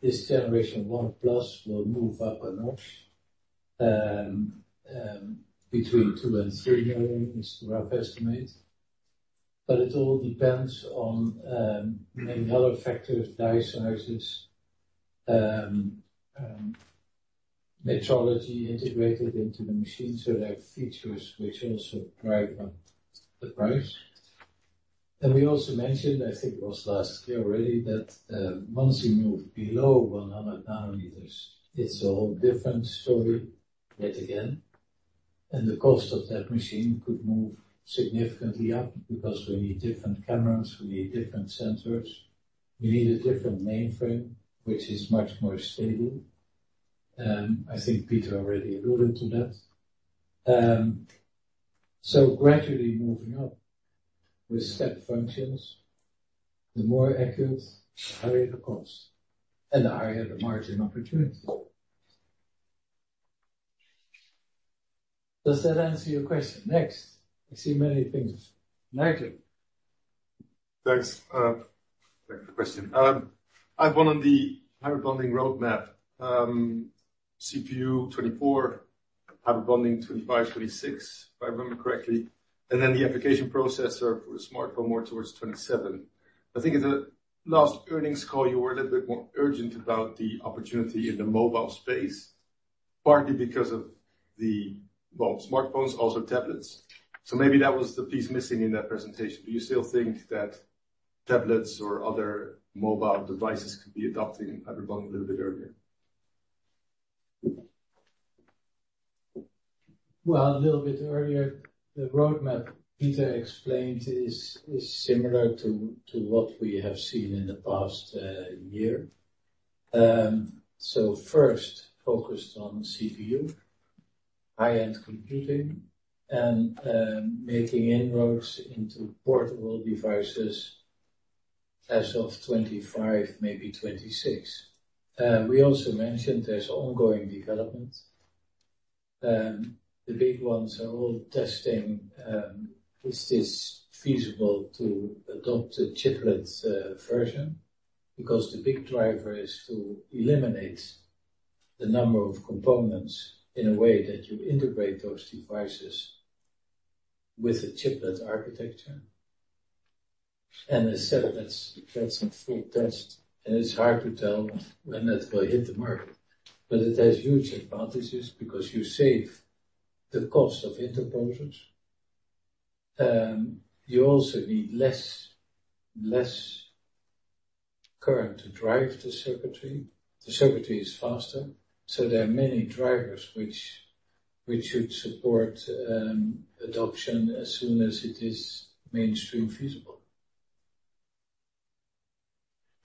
This generation 1 plus will move up a notch, between $2 million and $3 million is a rough estimate. But it all depends on many other factors, die sizes, metrology integrated into the machine. So there are features which also drive up the price. We also mentioned, I think it was last year already, that once you move below 100 nanometers, it's a whole different story yet again. The cost of that machine could move significantly up because we need different cameras, we need different sensors, we need a different mainframe, which is much more stable. I think Peter already alluded to that. Gradually moving up with step functions, the more accurate, the higher the cost and the higher the margin opportunity. Does that answer your question? Next. I see many things. Nigel. Thanks. Thank you for the question. I have one on the hybrid bonding roadmap. CPU 24, hybrid bonding 25, 26, if I remember correctly, and then the application processor for the smartphone more towards 27. I think at the last earnings call, you were a little bit more urgent about the opportunity in the mobile space, partly because of the, well, smartphones, also tablets. Maybe that was the piece missing in that presentation. Do you still think that tablets or other mobile devices could be adopting hybrid bonding a little bit earlier? Well, a little bit earlier, the roadmap Peter explained is similar to what we have seen in the past year. So first focused on CPU, high-end computing, and making inroads into portable devices as of 25, maybe 26. We also mentioned there's ongoing development. The big ones are all testing, is this feasible to adopt a chiplet version? Because the big driver is to eliminate the number of components in a way that you integrate those devices with a chiplet architecture. Instead, that's in full test, and it's hard to tell when that will hit the market. It has huge advantages because you save the cost of interposers. You also need less current to drive the circuitry. The circuitry is faster, so there are many drivers which should support adoption as soon as it is mainstream feasible.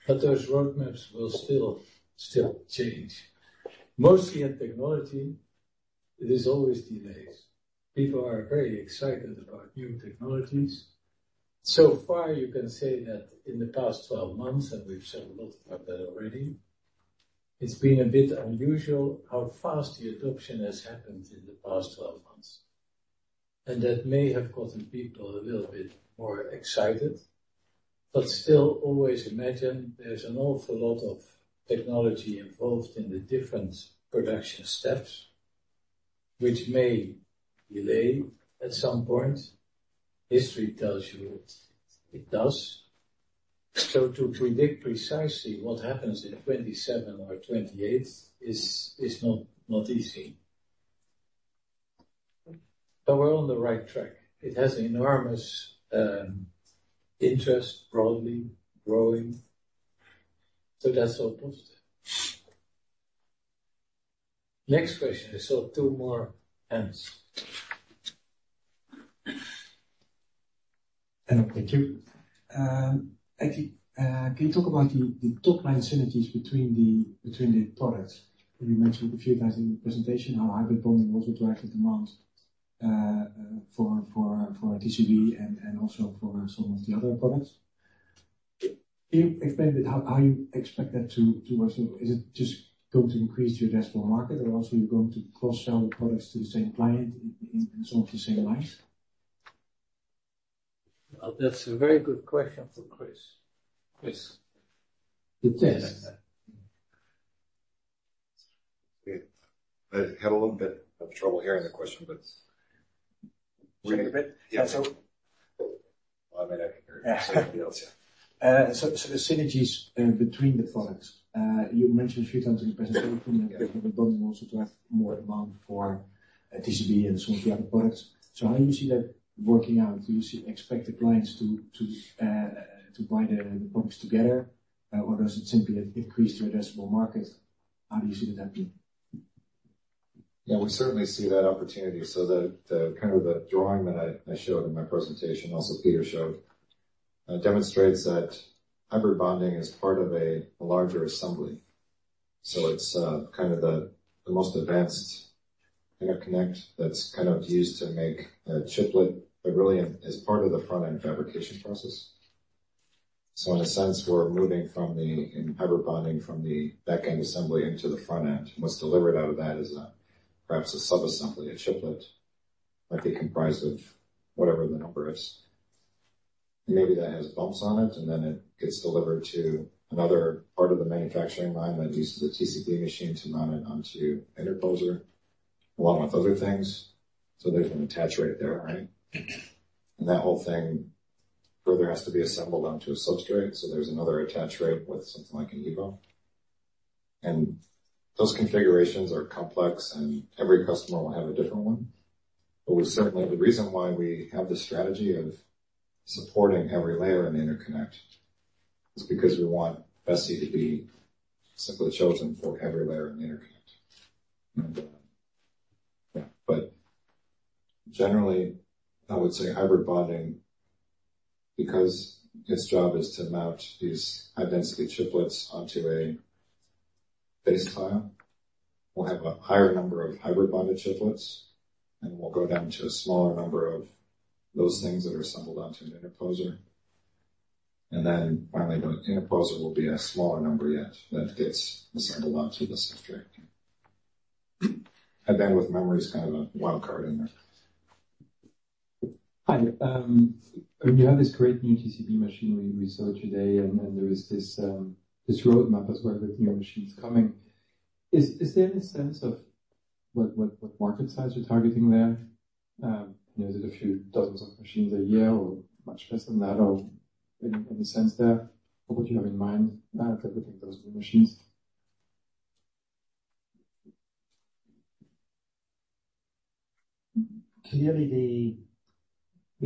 But those roadmaps will still change. Mostly in technology, it is always delays. People are very excited about new technologies. So far, you can say that in the past 12 months, and we've said a lot about that already, it's been a bit unusual how fast the adoption has happened in the past 12 months. And that may have gotten people a little bit more excited. But still, always imagine there's an awful lot of technology involved in the different production steps, which may delay at some point. History tells you it does. So to predict precisely what happens in 2027 or 2028 is not easy. But we're on the right track. It has enormous interest, broadly growing. So that's all good. Next question. I saw two more hands. Hello, thank you. I think, can you talk about the top-line synergies between the products? You mentioned a few times in the presentation how hybrid bonding also drives demand for TCB and also for some of the other products. Can you explain a bit how you expect that to work? Is it just going to increase your addressable market, or also, you're going to cross-sell the products to the same client in some of the same lines? Well, that's a very good question for Chris. Chris, you take that. I had a little bit of trouble hearing the question. Say it again? Yeah. And so- Well, I mean, I can hear somebody else, yeah. The synergies, between the products. You mentioned a few times in the presentation, also to have more demand for TCB and some of the other products. How do you see that working out? Do you expect the clients to buy the products together? Does it simply increase your addressable market? How do you see that happening? Yeah, we certainly see that opportunity. The kind of the drawing that I showed in my presentation, also Peter showed, demonstrates that hybrid bonding is part of a larger assembly. It's kind of the most advanced interconnect that's kind of used to make a chiplet, but really as part of the front-end fabrication process. In a sense, we're moving in hybrid bonding, from the back-end assembly into the front end. What's delivered out of that is perhaps a sub-assembly, a chiplet, might be comprised of whatever the number is. Maybe that has bumps on it, and then it gets delivered to another part of the manufacturing line that uses the TCB machine to mount it onto interposer, along with other things. There's an attach rate there, right? That whole thing further has to be assembled onto a substrate, so there's another attach rate with something like an evo. Those configurations are complex, and every customer will have a different one. We're certainly, the reason why we have this strategy of supporting every layer in the interconnect is because we want Besi to be simply chosen for every layer in the interconnect. Generally, I would say hybrid bonding, because its job is to mount these high-density chiplets onto a base tile, we'll have a higher number of hybrid bonded chiplets, and we'll go down to a smaller number of those things that are assembled onto an interposer. Finally, the interposer will be a smaller number yet, that gets assembled onto the substrate. With memory is kind of a wild card in there. Hi. You have this great new TCB machinery we saw today, and there is this roadmap as well with new machines coming. Is there any sense of what market size you're targeting there? You know, is it a few dozens of machines a year or much less than that, or any sense there? What would you have in mind for putting those new machines?... we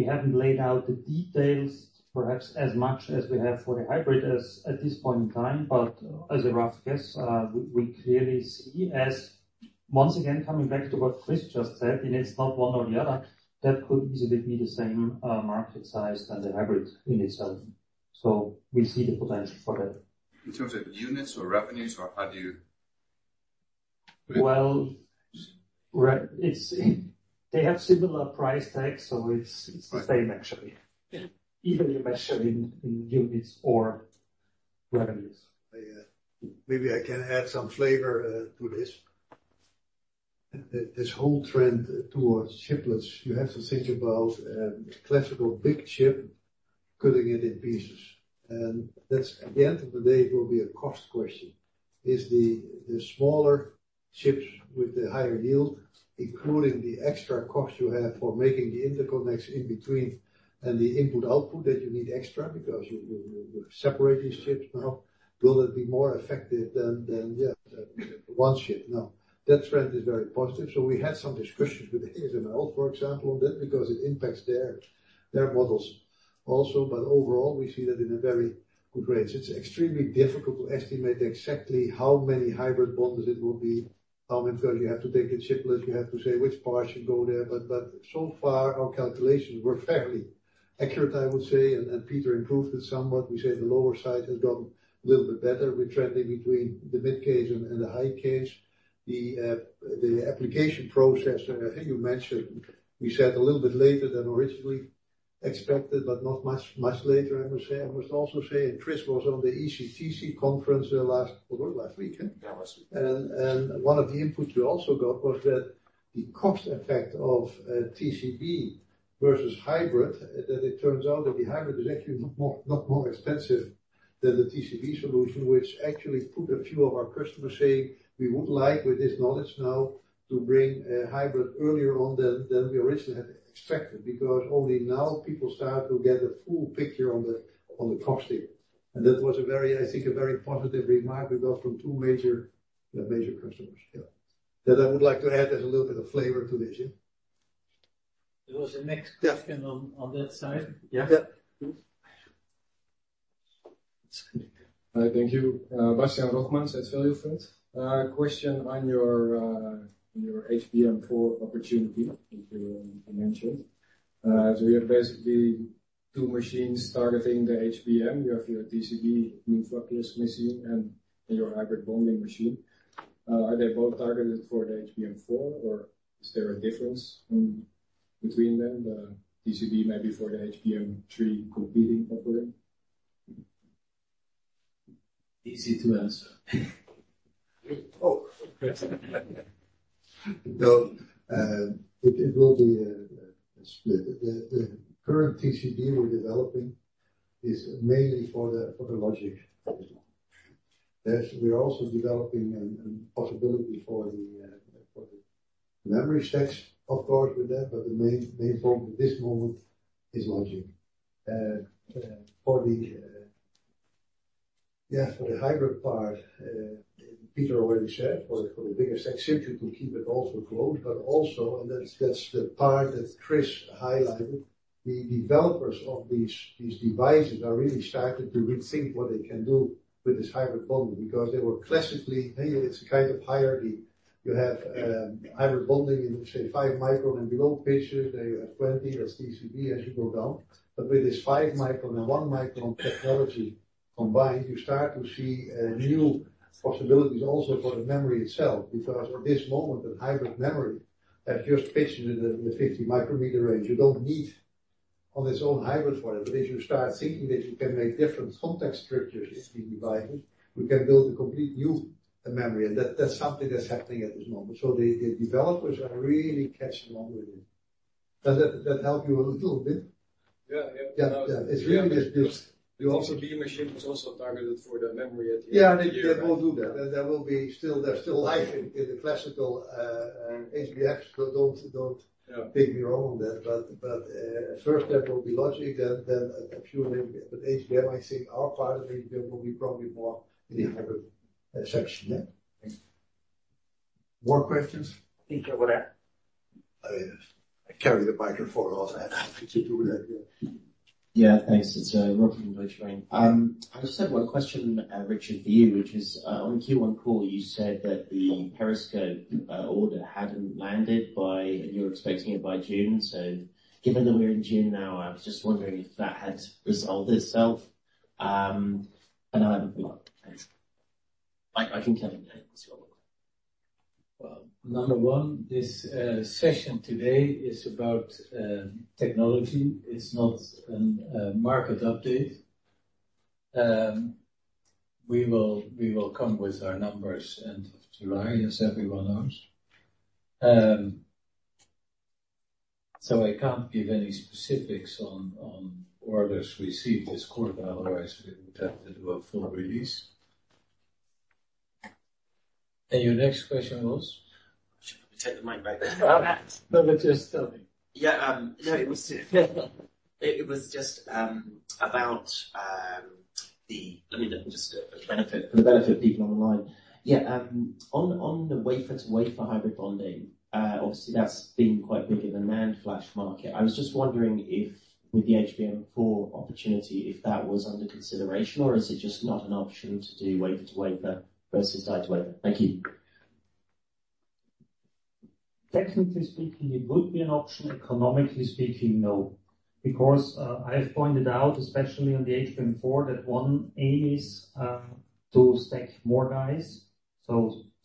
haven't laid out the details perhaps as much as we have for the hybrid as at this point in time. As a rough guess, we clearly see as, once again, coming back to what Chris just said, and it's not one or the other, that could easily be the same, market size as the hybrid in itself. We see the potential for that. In terms of units or revenues, or how do you? Well, it's, they have similar price tags, so it's. Right. It's the same actually. Yeah. Either you measure in units or revenues. Maybe I can add some flavor to this. This whole trend towards chiplets, you have to think about classical big chip, cutting it in pieces. That's, at the end of the day, it will be a cost question. Is the smaller chips with the higher yield, including the extra cost you have for making the interconnects in between and the input/output that you need extra because you separate these chips now, will it be more effective than one chip? That trend is very positive. We had somediscussions with ASML, for example, on that, because it impacts their models also. Overall, we see that in a very good range. It's extremely difficult to estimate exactly how many hybrid bonds it will be, how many, because you have to take a chiplet, you have to say which parts should go there. So far, our calculations were fairly accurate, I would say, and Peter improved it somewhat. We said the lower side has gone a little bit better. We're trending between the mid case and the high case. The application process, and I think you mentioned, we said a little bit later than originally expected, but not much later, I must say. I must also say, Chris was on the ECTC conference last week, huh? Yeah, last week. One of the inputs we also got was that the cost effect of TCB versus hybrid, that it turns out that the hybrid is actually not more expensive than the TCB solution, which actually put a few of our customers saying: We would like, with this knowledge now, to bring a hybrid earlier on than we originally had expected. Because only now people start to get a full picture on the cost here. That was a very, I think, a very positive remark we got from two major customers. Yeah. That I would like to add as a little bit of flavor to this, yeah. There was a. Yeah question on that side. Yeah. Yeah. Hi, thank you. Bastian Heinen, SEB. Question on your HBM4 opportunity, which you mentioned. You have basically two machines targeting the HBM. You have your TCB new nucleus machine and your hybrid bonding machine. Are they both targeted for the HBM4, or is there a difference between them? The TCB might be for the HBM3 competing offering. Easy to answer. It will be a split. The current TCB we're developing is mainly for the logic. We're also developing a possibility for the memory stacks, of course, with that, but the main focus at this moment is logic. For the hybrid part, Peter already said, for the bigger stack chip, you could keep it also closed. Also, and that's the part that Chris highlighted, the developers of these devices are really starting to rethink what they can do with this hybrid bonding, because they were classically... Maybe it's a kind of hierarchy. You have hybrid bonding in, say, 5 micron and below pitches. They have 20 as TCB as you go down. With this 5 micron and 1 micron technology combined, you start to see new possibilities also for the memory itself, because for this moment, the hybrid memory that just pitches it in the 50 micrometer range, you don't need on its own hybrid for it. As you start thinking that you can make different context structures in the device, we can build a complete new memory. That's something that's happening at this moment. The developers are really catching on with it. Does that help you a little bit? Yeah. Yeah. Yeah. It's really just. The also B machine was also targeted for the memory at the end. Yeah, they both do that. There's still life in the classical HBFs, so don't. Yeah take me wrong on that. First step will be logic, and then a few memory. HBM, I think our part of HBM will be probably more in the hybrid section. Yeah. Thanks. More questions? Over there. I carry the microphone also. I can do that, yeah. Yeah, thanks. It's Robert from Deutsche Bank. I just have one question, Richard, for you, which is on the Q1 call, you said that the periscope order hadn't landed. You were expecting it by June. Given that we're in June now, I was just wondering if that had resolved itself. I have a follow-up. Thanks. I can come in as well. Well, number one, this session today is about technology. It's not a market update. We will come with our numbers end of July, as everyone knows. So I can't give any specifics on orders received this quarter, but otherwise, we would have to do a full release. Your next question was? Should I take the mic back? No, but just tell me. It was just about. Let me just for the benefit of people on the line. On the wafer to wafer hybrid bonding, obviously, that's been quite big in the NAND flash market. I was just wondering if with the HBM4 opportunity, if that was under consideration, or is it just not an option to do wafer to wafer versus side to wafer? Thank you. Technically speaking, it would be an option. Economically speaking, no. I have pointed out, especially on the HBM4, that one aim is, to stack more dies.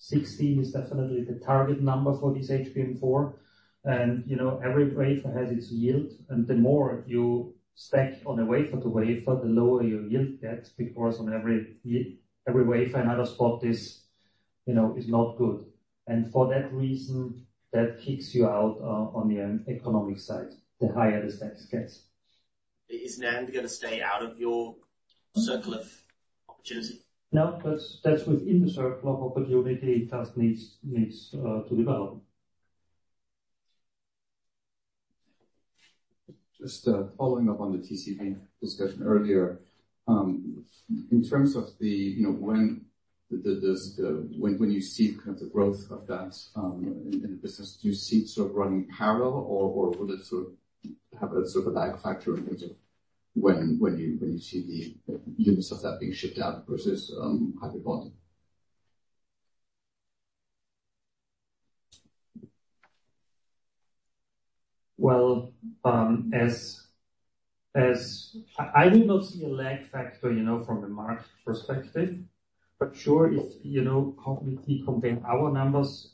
16 is definitely the target number for this HBM4. You know, every wafer has its yield, and the more you stack on a wafer to wafer, the lower your yield gets, because on every every wafer, another spot is, you know, is not good. For that reason, that kicks you out, on the economic side, the higher the stacks gets. Is NAND going to stay out of your circle of opportunity? No, that's within the circle of opportunity. It just needs to develop. Just following up on the TCB discussion earlier. In terms of the, you know, when the when you see kind of the growth of that, in the business, do you see it sort of running parallel, or would it sort of have a lag factor in terms of when you see the units of that being shipped out versus hybrid bonding? Well, as I do not see a lag factor, you know, from a market perspective. Sure, if you know, company compare our numbers,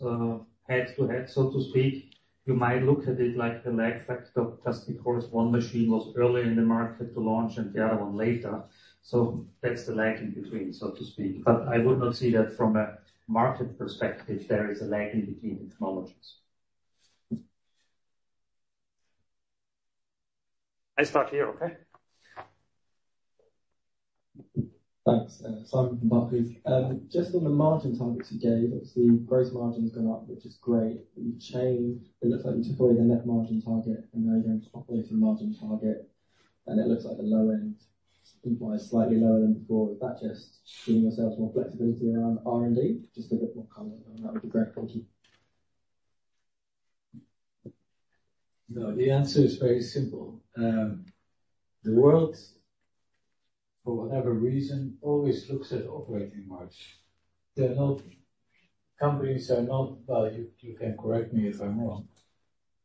head-to-head, so to speak, you might look at it like a lag factor, just because one machine was earlier in the market to launch and the other one later. That's the lag in between, so to speak. I would not see that from a market perspective, there is a lag in between the technologies. I start here, okay? Thanks. Simon from Barclays. Just on the margin targets you gave, obviously, gross margin's gone up, which is great. It looks like you took away the net margin target, and now you're going to operating margin target, and it looks like the low end implies slightly lower than before. Is that just giving yourselves more flexibility around R&D? Just a bit more comment on that would be great. Thank you. No, the answer is very simple. The world, for whatever reason, always looks at operating margins. Companies are not, well, you can correct me if I'm wrong.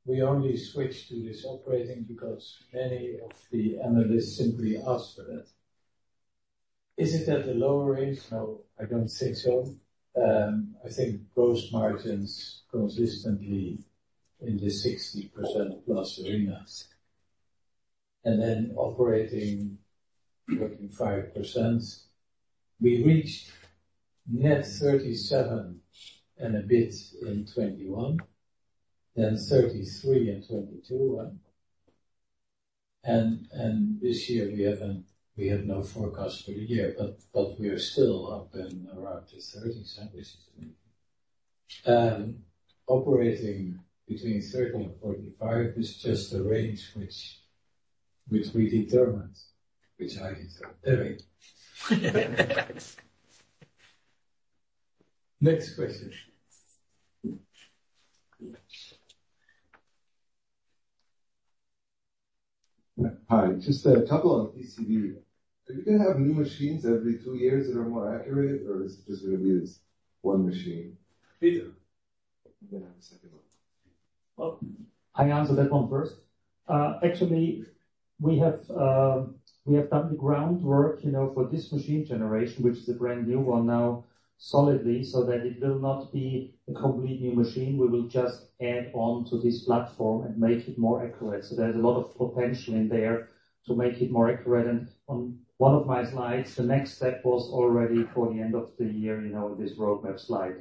We only switched to this operating because many of the analysts simply asked for it. Is it at a lower rate? No, I don't think so. I think gross margins consistently in the 60% plus arena, then operating 45%. We reached net 37% and a bit in 2021, then 33% in 2022. This year, we have no forecast for the year, but we are still up and around the 30 sandwiches. Operating between 30%-45% is just a range which we determined, which I determined. Next question. Hi, just a couple on PCB. Are you going to have new machines every 2 years that are more accurate, or is it just going to be this one machine? Peter. We have a second one. Well, I answer that one first. Actually, we have done the groundwork, you know, for this machine generation, which is a brand new one now, solidly, so that it will not be a completely new machine. We will just add on to this platform and make it more accurate. There's a lot of potential in there to make it more accurate. On one of my slides, the next step was already for the end of the year, you know, this roadmap slide.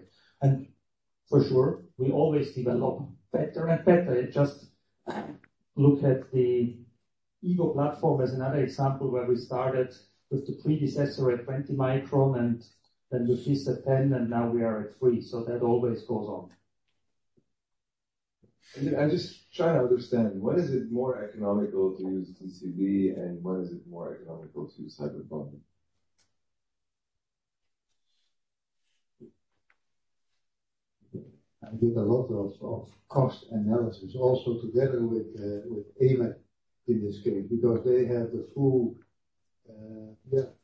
For sure, we always develop better and better. Just look at the evo platform as another example, where we started with the predecessor at 20 micron, and then we fixed at 10, and now we are at 3. That always goes on. I'm just trying to understand, when is it more economical to use TCB, and when is it more economical to use cyber bonding? I did a lot of cost analysis, also together with AMAT in this case, because they have the full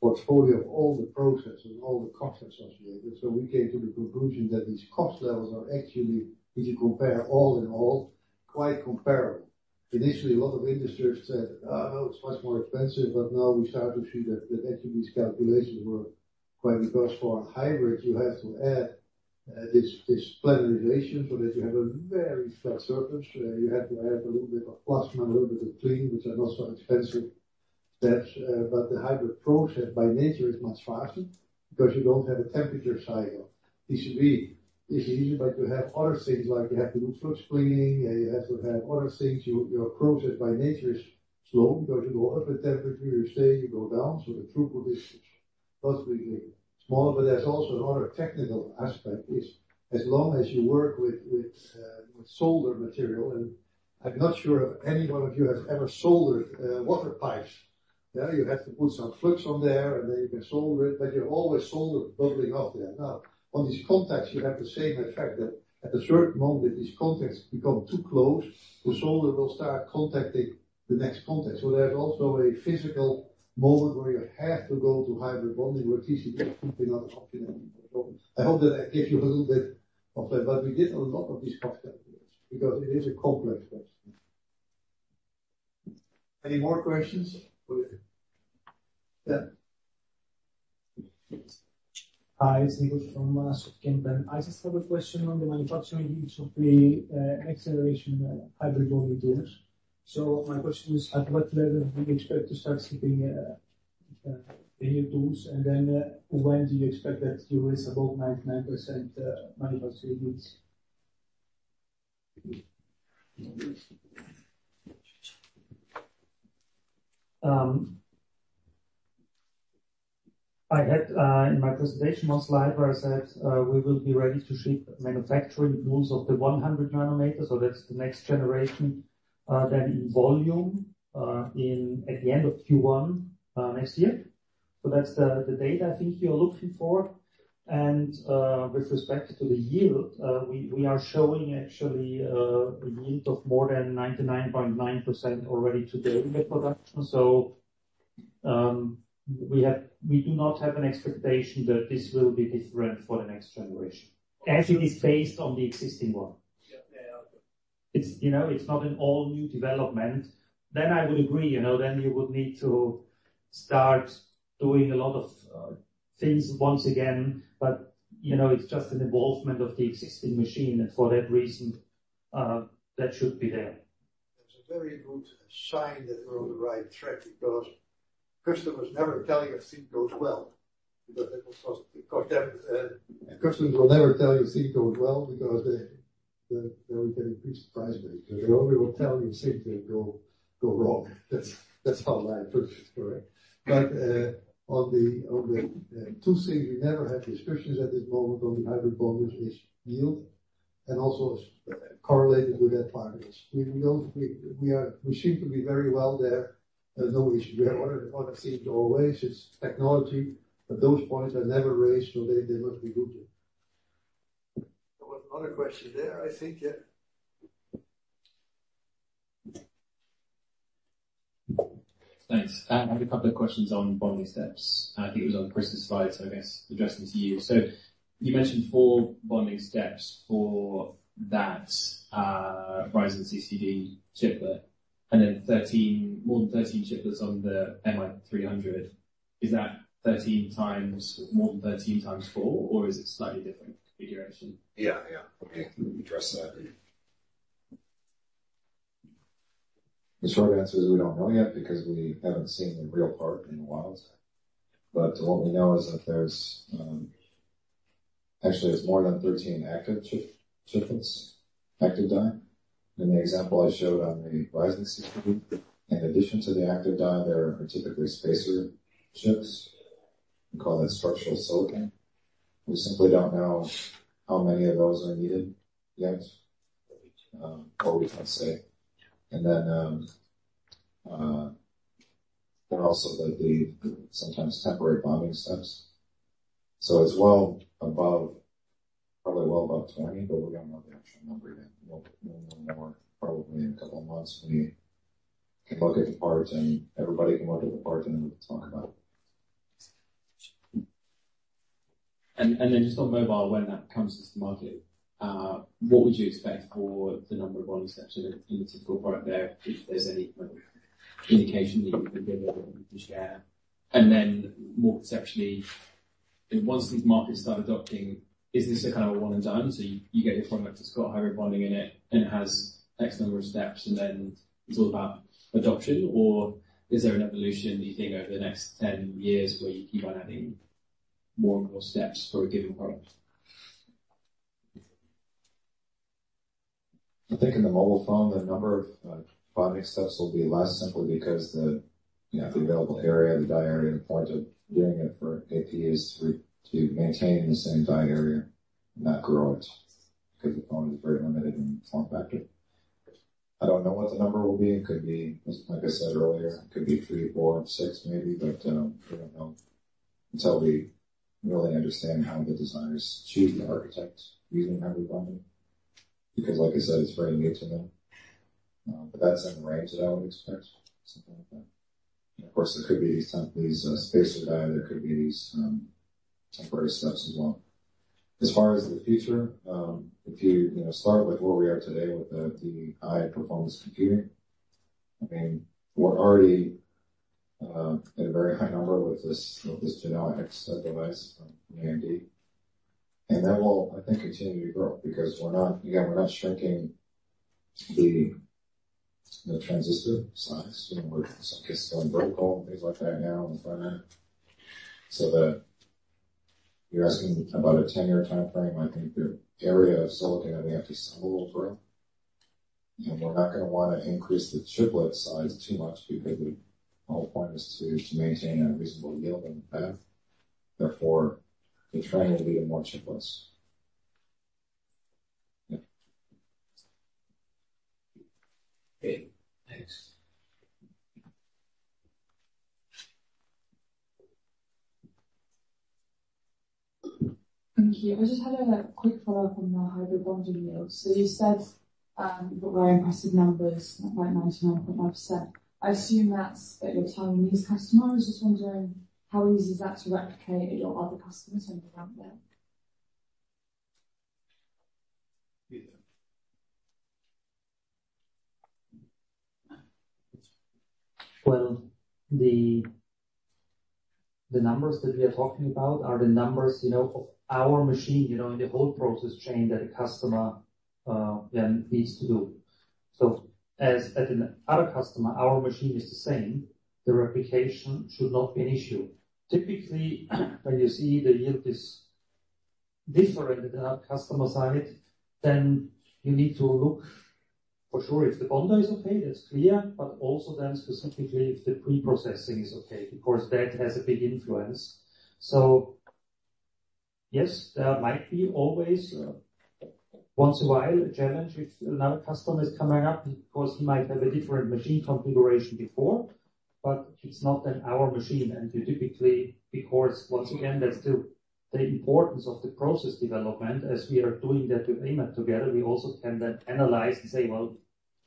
portfolio of all the processes and all the costs associated. We came to the conclusion that these cost levels are actually, if you compare all in all, quite comparable. Initially, a lot of industries said, "Oh, no, it's much more expensive." Now we start to see that actually these calculations were quite. For hybrid, you have to add this planarization, so that you have a very flat surface. You have to add a little bit of plasma, a little bit of clean, which are not so expensive. That's. The hybrid process by nature is much faster because you don't have a temperature cycle. TCB is easy, but you have other things, like you have to do flux cleaning, and you have to have other things. Your process by nature is slow because you go up in temperature, you stay, you go down, so the throughput. possibly small. There's also another technical aspect is, as long as you work with solder material, and I'm not sure if any one of you have ever soldered water pipes. You have to put some flux on there, and then you can solder it, but you're always solder bubbling off there. Now, on these contacts, you have the same effect that at a certain moment, these contacts become too close, the solder will start contacting the next contact. There's also a physical moment where you have to go to hybrid bonding, where CCD is completely not an option anymore. I hope that I gave you a little bit of that, but we did a lot of these concepts because it is a complex question. Any more questions? Good. Yeah. Hi, it's Nicolas from Softbank. I just have a question on the manufacturing use of the acceleration hybrid bonding tools. My question is, at what level do you expect to start shipping the new tools? When do you expect that you raise about 99% manufacturing yields? I had in my presentation, one slide where I said, we will be ready to ship manufacturing tools of the 100 nanometer, so that's the next generation, then in volume, in at the end of Q1, next year. That's the data I think you're looking for. With respect to the yield, we are showing actually a yield of more than 99.9% already today in the production. We do not have an expectation that this will be different for the next generation, as it is based on the existing one. Yeah. It's, you know, it's not an all-new development. I would agree, you know, then you would need to start doing a lot of things once again, but, you know, it's just an involvement of the existing machine, and for that reason, that should be there. That's a very good sign that we're on the right track. Customers will never tell you a thing goes well because they will get increased price, but they only will tell you things that go wrong. That's how life is, correct? On the two things, we never had discussions at this moment on the hybrid bond is yield and also correlated with that partners. We are very well there. There's no issue. We have a lot of things always. It's technology, but those points are never raised, so they must be good. There was another question there, I think. Yeah. Thanks. I have a couple of questions on bonding steps, and I think it was on Chris's slide, so I guess addressing to you. You mentioned 4 bonding steps for that Ryzen CCD chiplet, and then 13, more than 13 chiplets on the MI300. Is that 13 times, more than 13 times 4, or is it a slightly different configuration? Yeah, yeah. Let me address that. The short answer is we don't know yet because we haven't seen the real part in a while. What we know is that there's actually more than 13 active chip, active die. In the example I showed on the Ryzen CCD, in addition to the active die, there are typically spacer chips. We call that structural silicon. We simply don't know how many of those are needed yet, or we can say. There are also the sometimes temporary bonding steps. It's well above, probably well above 20, but we don't know the actual number yet. We'll know more probably in a couple of months when we can look at the parts, and everybody can look at the parts, and then we can talk about it. Then just on mobile, when that comes to the market, what would you expect for the number of bonding steps in a typical product there, if there's any kind of indication that you can give or you can share? Then more conceptually, once these markets start adopting, is this a kind of a one and done, so you get your product, it's got hybrid bonding in it, and it has X number of steps, and then it's all about adoption? Or is there an evolution that you think over the next 10 years where you keep on adding more and more steps for a given product? I think in the mobile phone, the number of bonding steps will be less simply because the, you know, the available area, the die area, the point of doing it for AP is to maintain the same die area and not grow it, because the phone is very limited in form factor. I don't know what the number will be. It could be, like I said earlier, it could be 3, 4, 6, maybe, but we don't know until we really understand how the designers choose to architect using hybrid bonding, because like I said, it's very new to them. But that's in the range that I would expect, something like that. Of course, there could be some, these, spacer die, there could be these, temporary steps as well. As far as the future, if you know, start with where we are today with the high-performance computing, I mean, we're already at a very high number with this Genoa-X device from AMD. That will, I think, continue to grow because we're not, again, we're not shrinking the transistor size. You know, we're still in vertical and things like that now on the front end. You're asking about a 10-year time frame. I think the area of silicon we have to settle through, and we're not gonna want to increase the chiplet size too much because the whole point is to maintain a reasonable yield on the path. Therefore, we try to leave more chiplets. Yeah. Okay, thanks. Thank you. I just had a, like, quick follow-up on the hybrid bonding yield. You said, you've got very impressive numbers, like 99.5%. I assume that's that you're telling these customers. I was just wondering, how easy is that to replicate at your other customers when you're out there? Peter. Well, the numbers that we are talking about are the numbers, you know, of our machine, you know, in the whole process chain that a customer then needs to do. As at an other customer, our machine is the same, the replication should not be an issue. Typically, when you see the yield is different than our customer side, you need to look for sure if the bonder is okay, that's clear, also then specifically if the preprocessing is okay because that has a big influence. Yes, there might be always, once in a while, a challenge with another customer is coming up, because he might have a different machine configuration before. It's not at our machine. We typically, because once again, that's the importance of the process development as we are doing that with AMAT together, we also can then analyze and say, "Well,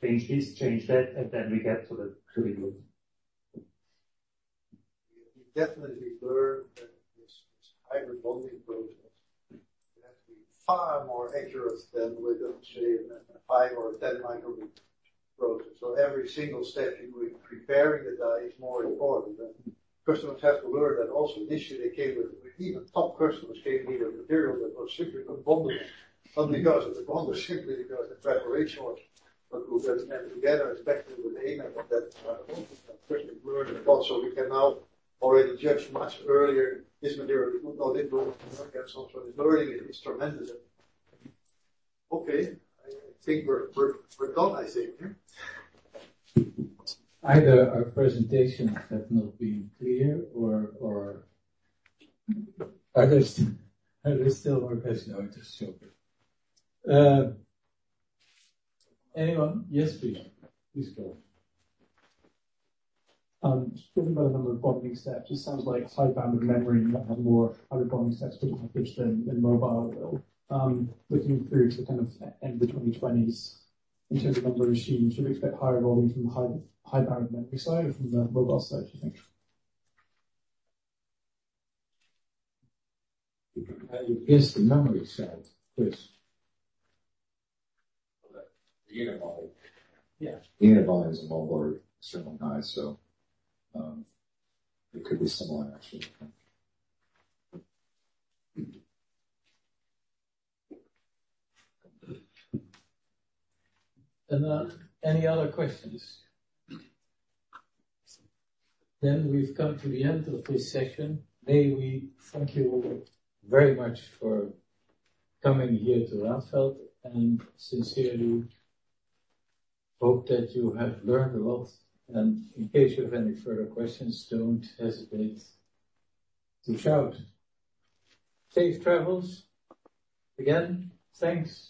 change this, change that," and then we get to the, to the group. We definitely learned that this hybrid bonding process, it has to be far more accurate than with, let's say, a 5 or 10 micron process. Every single step you were preparing the die is more important, and customers have to learn that. Also, initially, they came with even top customers came here with material that was simply not bondable, not because of the bond was simply because the preparation was. We then came together, especially with AMAT, on that front. Of course, we've learned a lot, so we can now already judge much earlier, this material will not work. The learning is tremendous. Okay, I think we're done, I say here. Either our presentation has not been clear or are they still more passionate about this topic? Anyone? Yes, please. Go. Just talking about the number of bonding steps, it sounds like high-bandwidth memory might have more hybrid bonding steps with the pitch than mobile. Looking through to the kind of end of the 2020s, in terms of number of machines, should we expect higher volume from the high-band memory side or from the mobile side, do you think? I guess the memory side, please. The unit volume. Yeah. The unit volume is mobile or extremely high, so, it could be similar, actually. Any other questions? We've come to the end of this session. May we thank you all very much for coming here to Radfeld, and sincerely hope that you have learned a lot, and in case you have any further questions, don't hesitate to reach out. Safe travels. Again, thanks.